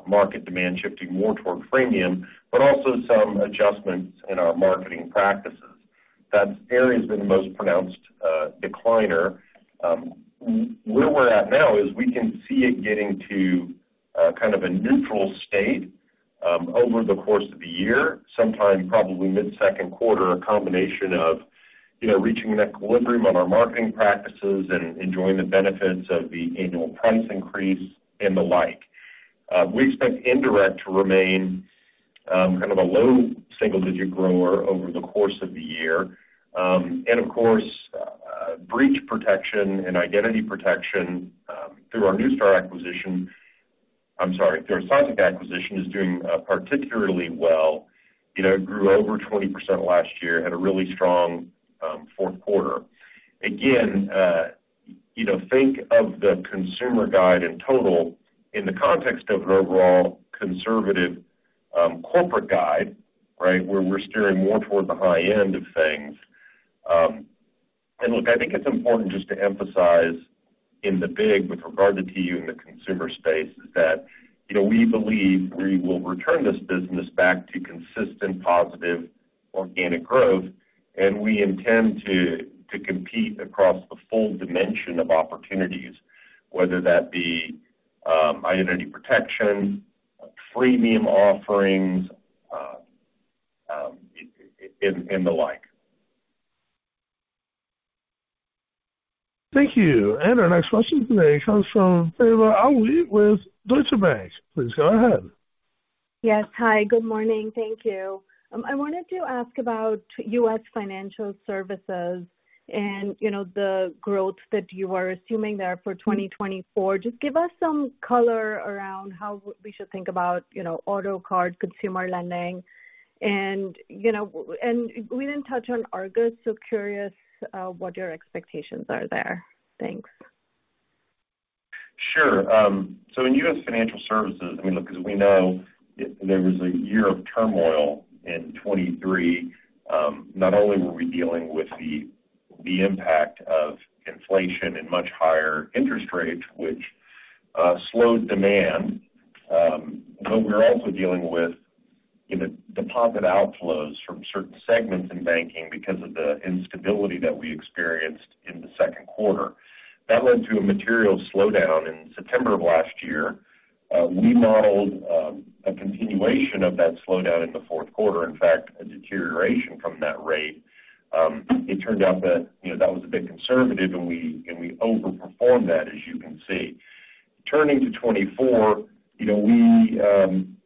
C: market demand shifting more toward freemium, but also some adjustments in our marketing practices. That area has been the most pronounced decliner. Where we're at now is we can see it getting to kind of a neutral state over the course of the year, sometime probably mid-second quarter, a combination of reaching an equilibrium on our marketing practices and enjoying the benefits of the annual price increase and the like. We expect indirect to remain kind of a low single digit grower over the course of the year. And of course, breach protection and identity protection through our Neustar acquisition I'm sorry, through our Sontiq acquisition is doing particularly well. It grew over 20% last year, had a really strong fourth quarter. Again, think of the consumer guide in total in the context of an overall conservative corporate guide, right, where we're steering more toward the high end of things. And look, I think it's important just to emphasize in the big with regard to TU in the consumer space is that we believe we will return this business back to consistent positive organic growth, and we intend to compete across the full dimension of opportunities, whether that be identity protection, freemium offerings, and the like.
A: Thank you. Our next question today comes from Faiza Alwy of Deutsche Bank. Please go ahead.
G: Yes. Hi. Good morning. Thank you. I wanted to ask about U.S. Financial Services and the growth that you are assuming there for 2024. Just give us some color around how we should think about auto card consumer lending. And we didn't touch on Argus, so curious what your expectations are there. Thanks.
C: Sure. So in U.S. Financial Services I mean, look, as we know, there was a year of turmoil in 2023. Not only were we dealing with the impact of inflation and much higher interest rates, which slowed demand, but we're also dealing with deposit outflows from certain segments in banking because of the instability that we experienced in the second quarter. That led to a material slowdown in September of last year. We modeled a continuation of that slowdown in the fourth quarter, in fact, a deterioration from that rate. It turned out that that was a bit conservative, and we overperformed that, as you can see. Turning to 2024,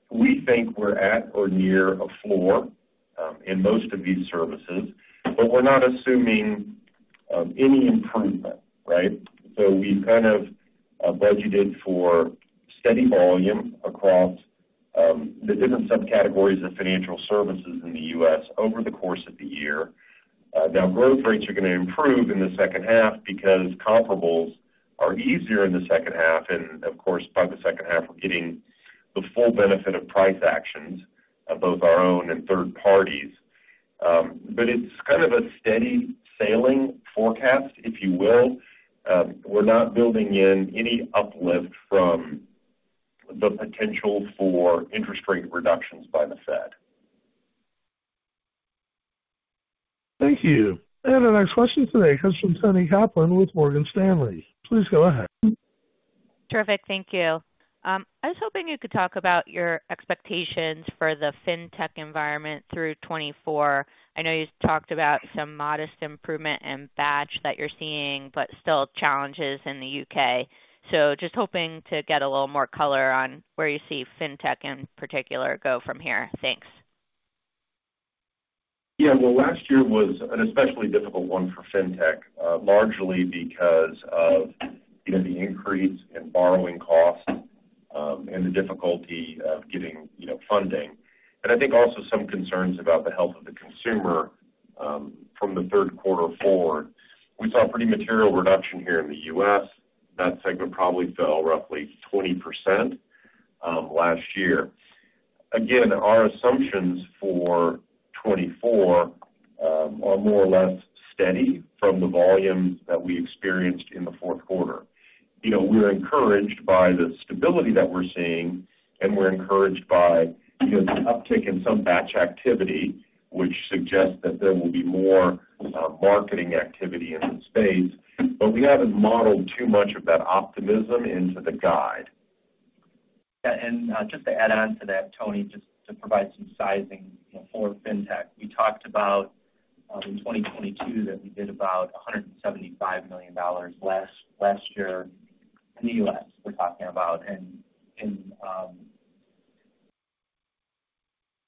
C: we think we're at or near a floor in most of these services, but we're not assuming any improvement, right? So we've kind of budgeted for steady volume across the different subcategories of Financial Services in the U.S. over the course of the year. Now, growth rates are going to improve in the second half because comparables are easier in the second half. And of course, by the second half, we're getting the full benefit of price actions of both our own and third parties. But it's kind of a steady sailing forecast, if you will. We're not building in any uplift from the potential for interest rate reductions by the Fed.
A: Thank you. Our next question today comes from Toni Kaplan with Morgan Stanley. Please go ahead.
H: Terrific. Thank you. I was hoping you could talk about your expectations for the fintech environment through 2024. I know you talked about some modest improvement in batch that you're seeing, but still challenges in the U.K. Just hoping to get a little more color on where you see fintech in particular go from here. Thanks.
C: Yeah. Well, last year was an especially difficult one for fintech, largely because of the increase in borrowing costs and the difficulty of getting funding. And I think also some concerns about the health of the consumer from the third quarter forward. We saw pretty material reduction here in the U.S. That segment probably fell roughly 20% last year. Again, our assumptions for 2024 are more or less steady from the volume that we experienced in the fourth quarter. We're encouraged by the stability that we're seeing, and we're encouraged by the uptick in some batch activity, which suggests that there will be more marketing activity in the space. But we haven't modeled too much of that optimism into the guide.
D: Yeah. And just to add on to that, Toni, just to provide some sizing for fintech, we talked about in 2022 that we did about $175 million less last year in the US. We're talking about and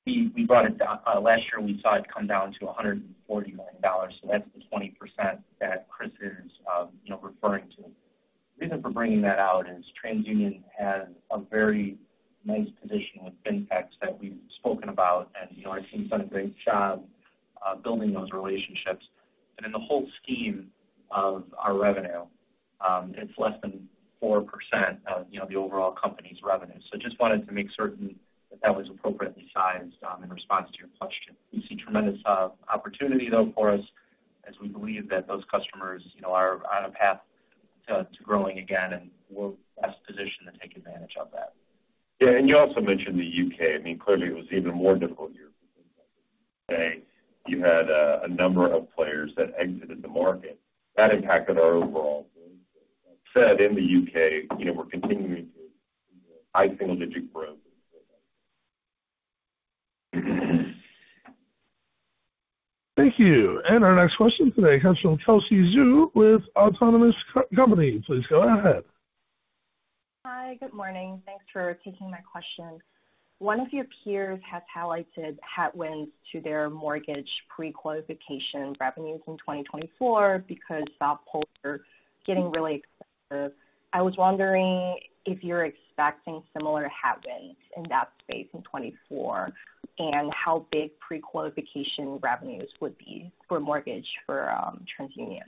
D: we brought it down last year. We saw it come down to $140 million. So that's the 20% that Chris is referring to. The reason for bringing that out is TransUnion has a very nice position with fintechs that we've spoken about, and I've seen some great job building those relationships. But in the whole scheme of our revenue, it's less than 4% of the overall company's revenue. So just wanted to make certain that that was appropriately sized in response to your question. We see tremendous opportunity, though, for us as we believe that those customers are on a path to growing again, and we're best positioned to take advantage of that.
C: Yeah. You also mentioned the U.K.. I mean, clearly, it was even a more difficult year for fintechs. U.K., you had a number of players that exited the market. That impacted our overall growth. But like I said, in the U.K., we're continuing to see high single digit growth.
A: Thank you. Our next question today comes from Kelsey Zhu with Autonomous Research. Please go ahead.
I: Hi. Good morning. Thanks for taking my question. One of your peers has highlighted headwinds to their mortgage pre-qualification revenues in 2024 because soft pulls for getting really expensive. I was wondering if you're expecting similar headwinds in that space in 2024 and how big pre-qualification revenues would be for mortgage for TransUnion.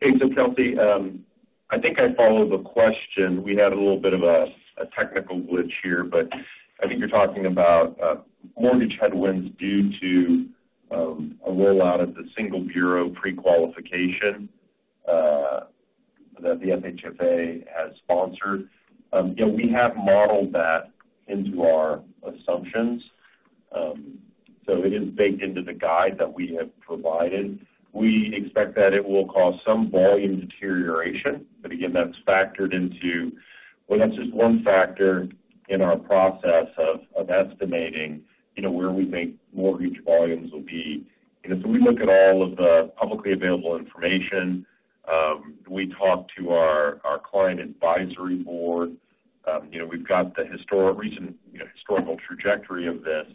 C: Hey, so Kelsey, I think I followed the question. We had a little bit of a technical glitch here, but I think you're talking about mortgage headwinds due to a rollout of the single bureau pre-qualification that the FHFA has sponsored. Yeah, we have modeled that into our assumptions. So it is baked into the guide that we have provided. We expect that it will cause some volume deterioration. But again, that's factored into well, that's just one factor in our process of estimating where we think mortgage volumes will be. So we look at all of the publicly available information. We talk to our client advisory board. We've got the historical trajectory of this.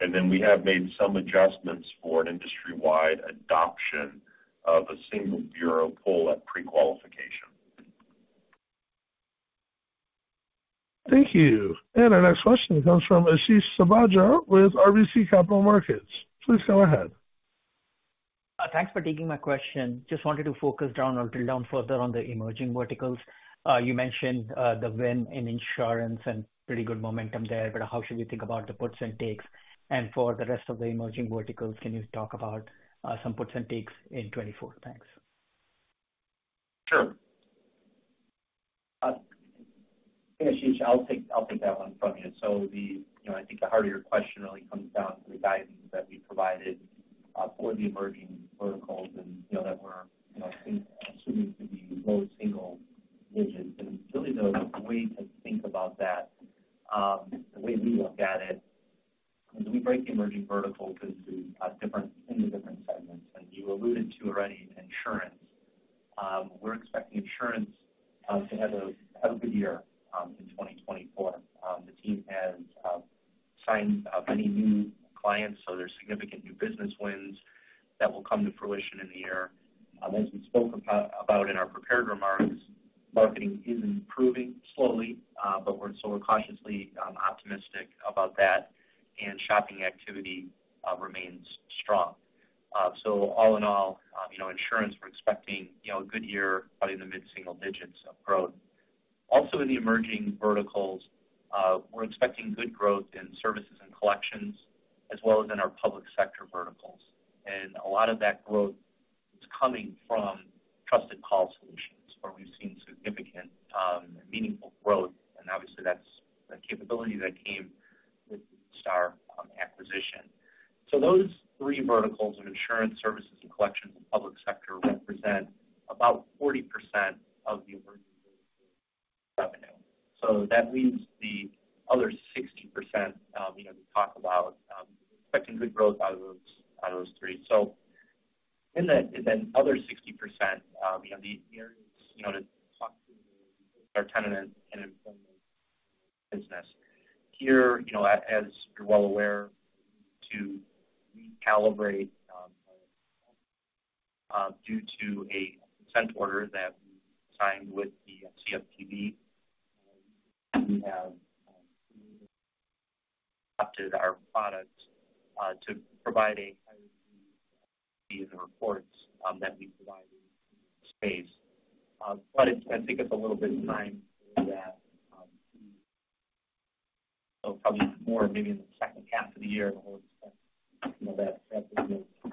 C: And then we have made some adjustments for an industry-wide adoption of a single bureau pull at pre-qualification.
A: Thank you. Our next question comes from Ashish Sabadra with RBC Capital Markets. Please go ahead.
J: Thanks for taking my question. Just wanted to focus down a little further on the Emerging Verticals. You mentioned the win in insurance and pretty good momentum there, but how should we think about the puts and takes? For the rest of the Emerging Verticals, can you talk about some puts and takes in 2024? Thanks.
C: Sure.
D: Ashish, I'll take that one from you. So I think the heart of your question really comes down to the guidance that we provided for the Emerging Verticals and that we're assuming to be low single digits. And really, the way to think about that, the way we look at it, is we break the Emerging Verticals into different segments. And you alluded to already insurance. We're expecting insurance to have a good year in 2024. The team has signed many new clients, so there's significant new business wins that will come to fruition in the year. As we spoke about in our prepared remarks, marketing is improving slowly, so we're cautiously optimistic about that, and shopping activity remains strong. So all in all, insurance, we're expecting a good year probably in the mid-single digits of growth. Also, in the Emerging Verticals, we're expecting good growth in Services and Collections as well as in our Public Sector verticals. And a lot of that growth is coming from Trusted Call Solutions where we've seen significant and meaningful growth. And obviously, that's the capability that came with Neustar acquisition. So those three verticals of insurance, services, and collections in Public Sector represent about 40% of the Emerging Verticals' revenue. So that leaves the other 60% we talk about. We're expecting good growth out of those three. So in that other 60%, the areas to talk to are tenant and employment business. Here, as you're well aware, we need to recalibrate due to a consent order that we signed with the CFPB. We have adopted our product to provide a higher degree of accuracy in the reports that we provide in the space. But I think it's a little bit of time for that to, so probably more, maybe in the second half of the year, the whole expense that we make to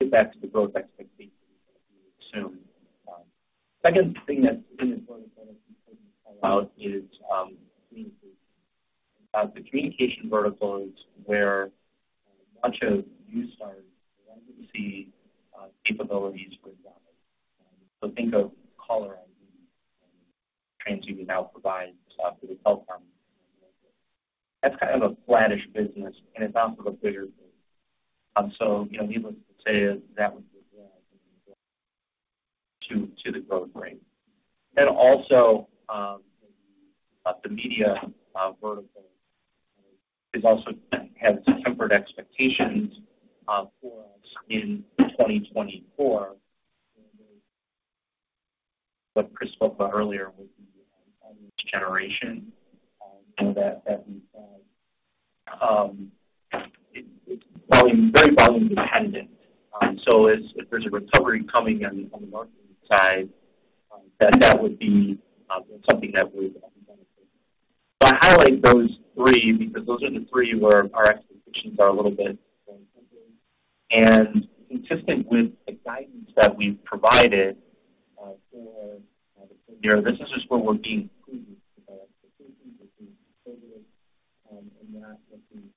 D: get back to the growth expectations that we assume. Second thing that's important for us to call out is the communication verticals where much of Neustar's legacy capabilities reside. So think of caller ID and TransUnion now provides to the telephone market. That's kind of a flat-ish business, and it's also a bigger business. So needless to say, that would be a drag to the growth rate. Then also, the Media vertical has tempered expectations for us in 2024. What Chris spoke about earlier with the audience generation that we've had, it's very volume-dependent. So if there's a recovery coming on the marketing side, that would be something that would benefit. So I highlight those three because those are the three where our expectations are a little bit more tempered and consistent with the guidance that we've provided for the third year. This is just where we're being crucial to our expectations, which is positive, and that looking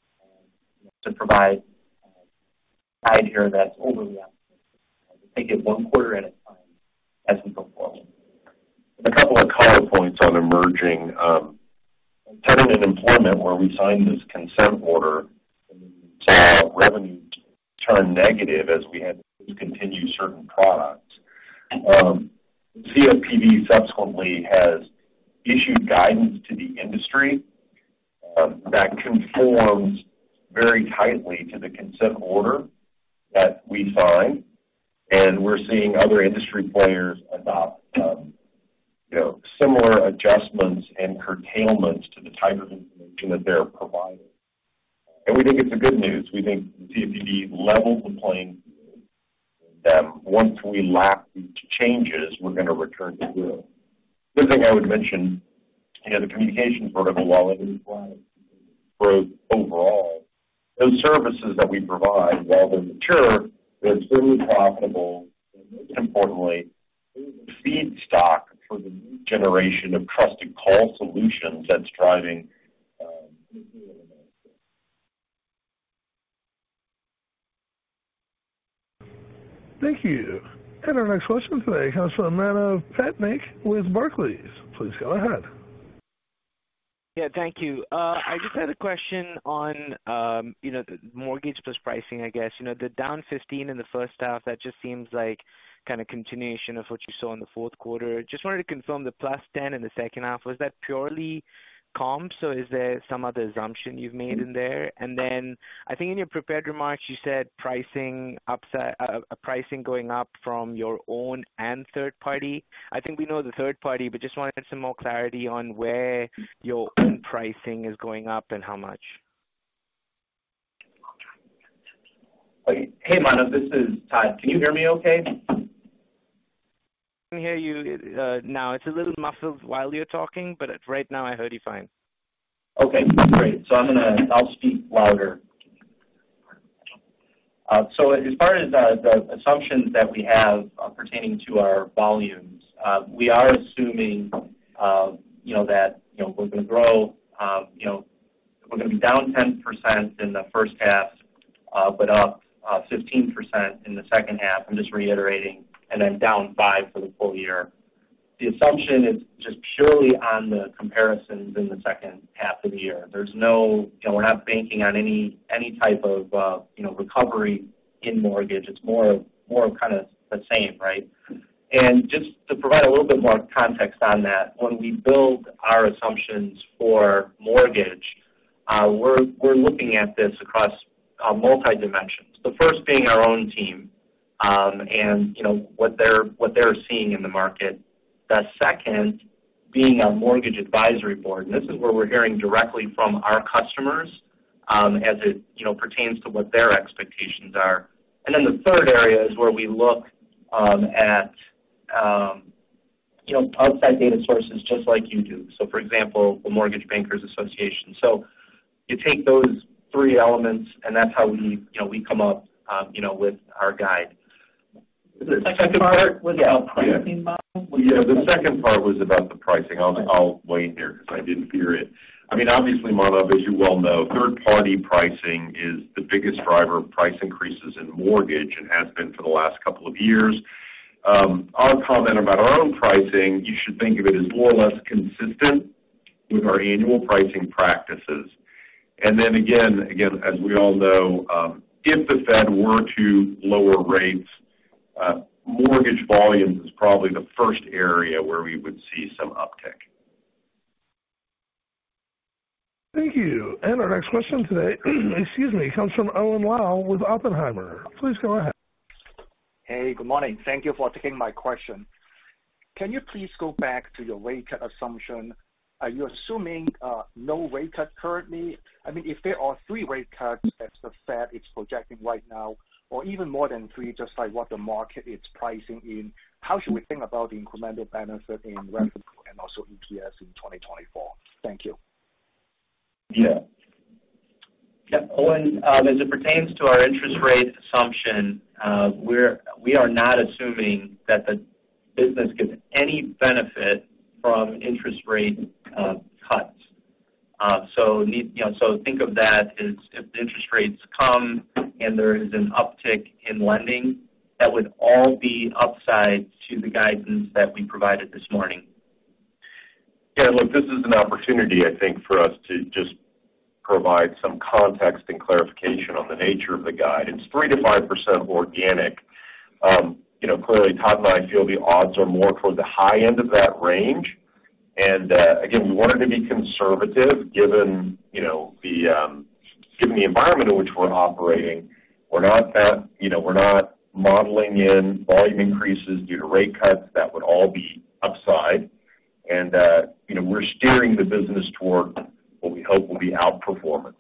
D: to provide guide here that's overly optimistic. We take it one quarter at a time as we go forward.
C: A couple of color points on emerging tenant and employment, where we signed this consent order and saw revenues turn negative as we had to discontinue certain products. The CFPB subsequently has issued guidance to the industry that conforms very tightly to the consent order that we signed. We're seeing other industry players adopt similar adjustments and curtailments to the type of information that they're providing. We think it's good news. We think the CFPB leveled the playing field that once we lap these changes, we're going to return to growth. One thing I would mention, the communications vertical while it is driving growth overall. Those services that we provide, while they're mature, they're extremely profitable. And most importantly, they're the feedstock for the new generation of Trusted Call Solutions that's driving growth.
A: Thank you. Our next question today comes from Manav Patnaik with Barclays. Please go ahead.
K: Yeah. Thank you. I just had a question on mortgage plus pricing, I guess. The down 15 in the first half, that just seems like kind of continuation of what you saw in the fourth quarter. Just wanted to confirm the plus 10 in the second half, was that purely comps? So is there some other assumption you've made in there? Then I think in your prepared remarks, you said pricing going up from your own and third party. I think we know the third party, but just wanted some more clarity on where your own pricing is going up and how much.
D: Hey, Manav. This is Todd. Can you hear me okay?
K: I can hear you now. It's a little muffled while you're talking, but right now, I heard you fine.
D: Okay. Great. So I'm going to. I'll speak louder. So as far as the assumptions that we have pertaining to our volumes, we are assuming that we're going to grow. We're going to be down 10% in the first half but up 15% in the second half. I'm just reiterating. And then down 5% for the full year. The assumption is just purely on the comparisons in the second half of the year. There's no. We're not banking on any type of recovery in mortgage. It's more of kind of the same, right? And just to provide a little bit more context on that, when we build our assumptions for mortgage, we're looking at this across multi-dimensions, the first being our own team and what they're seeing in the market, the second being our mortgage advisory board. This is where we're hearing directly from our customers as it pertains to what their expectations are. Then the third area is where we look at outside data sources just like you do. For example, the Mortgage Bankers Association. You take those three elements, and that's how we come up with our guide. Is the second part was about pricing, Manav?
C: Yeah. The second part was about the pricing. I'll weigh in here because I didn't hear it. I mean, obviously, Manav, as you well know, third-party pricing is the biggest driver of price increases in mortgage and has been for the last couple of years. Our comment about our own pricing, you should think of it as more or less consistent with our annual pricing practices. And then again, as we all know, if the Fed were to lower rates, mortgage volumes is probably the first area where we would see some uptick.
A: Thank you. Our next question today - excuse me - comes from Owen Lau with Oppenheimer. Please go ahead.
L: Hey. Good morning. Thank you for taking my question. Can you please go back to your rate cut assumption? Are you assuming no rate cut currently? I mean, if there are three rate cuts as the Fed is projecting right now or even more than three just like what the market is pricing in, how should we think about the incremental benefit in revenue and also EPS in 2024? Thank you.
D: Yeah. Yeah. Owen, as it pertains to our interest rate assumption, we are not assuming that the business gets any benefit from interest rate cuts. So think of that as if the interest rates come and there is an uptick in lending, that would all be upside to the guidance that we provided this morning.
C: Yeah. Look, this is an opportunity, I think, for us to just provide some context and clarification on the nature of the guide. It's 3%-5% organic. Clearly, Todd and I feel the odds are more toward the high end of that range. And again, we wanted to be conservative given the environment in which we're operating. We're not modeling in volume increases due to rate cuts. That would all be upside. And we're steering the business toward what we hope will be outperformance.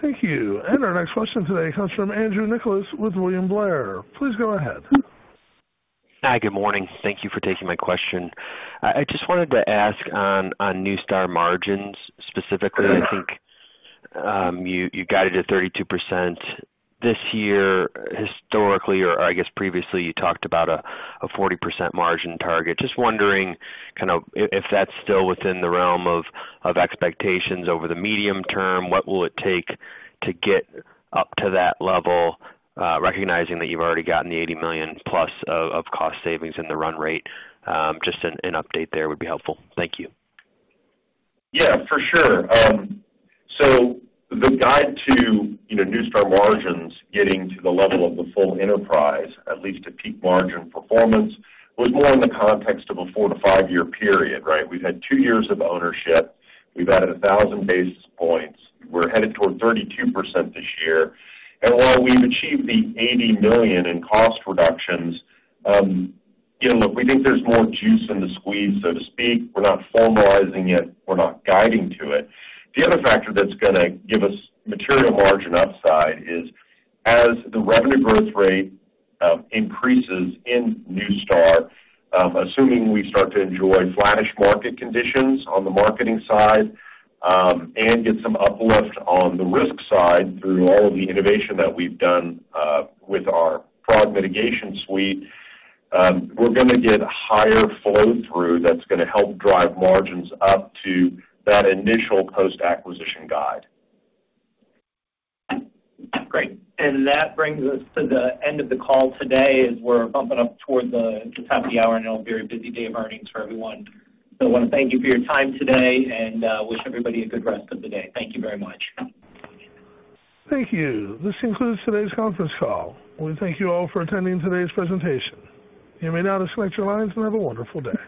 A: Thank you. Our next question today comes from Andrew Nicholas with William Blair. Please go ahead.
M: Hi. Good morning. Thank you for taking my question. I just wanted to ask on Neustar margins specifically. I think you guided at 32% this year. Historically, or I guess previously, you talked about a 40% margin target. Just wondering kind of if that's still within the realm of expectations over the medium term, what will it take to get up to that level recognizing that you've already gotten the $80 million-plus of cost savings in the run rate? Just an update there would be helpful. Thank you.
C: Yeah. For sure. So the guide to Neustar margins getting to the level of the full enterprise, at least to peak margin performance, was more in the context of a 4-5-year period, right? We've had two years of ownership. We've added 1,000 basis points. We're headed toward 32% this year. And while we've achieved the $80 million in cost reductions, look, we think there's more juice in the squeeze, so to speak. We're not formalizing it. We're not guiding to it. The other factor that's going to give us material margin upside is as the revenue growth rate increases in Neustar, assuming we start to enjoy flat-ish market conditions on the marketing side and get some uplift on the risk side through all of the innovation that we've done with our fraud mitigation suite, we're going to get higher flow-through that's going to help drive margins up to that initial post-acquisition guide.
M: Great. That brings us to the end of the call today as we're bumping up toward the top of the hour, and it'll be a busy day of earnings for everyone. I want to thank you for your time today and wish everybody a good rest of the day. Thank you very much.
A: Thank you. This concludes today's conference call. We thank you all for attending today's presentation. You may now disconnect your lines and have a wonderful day.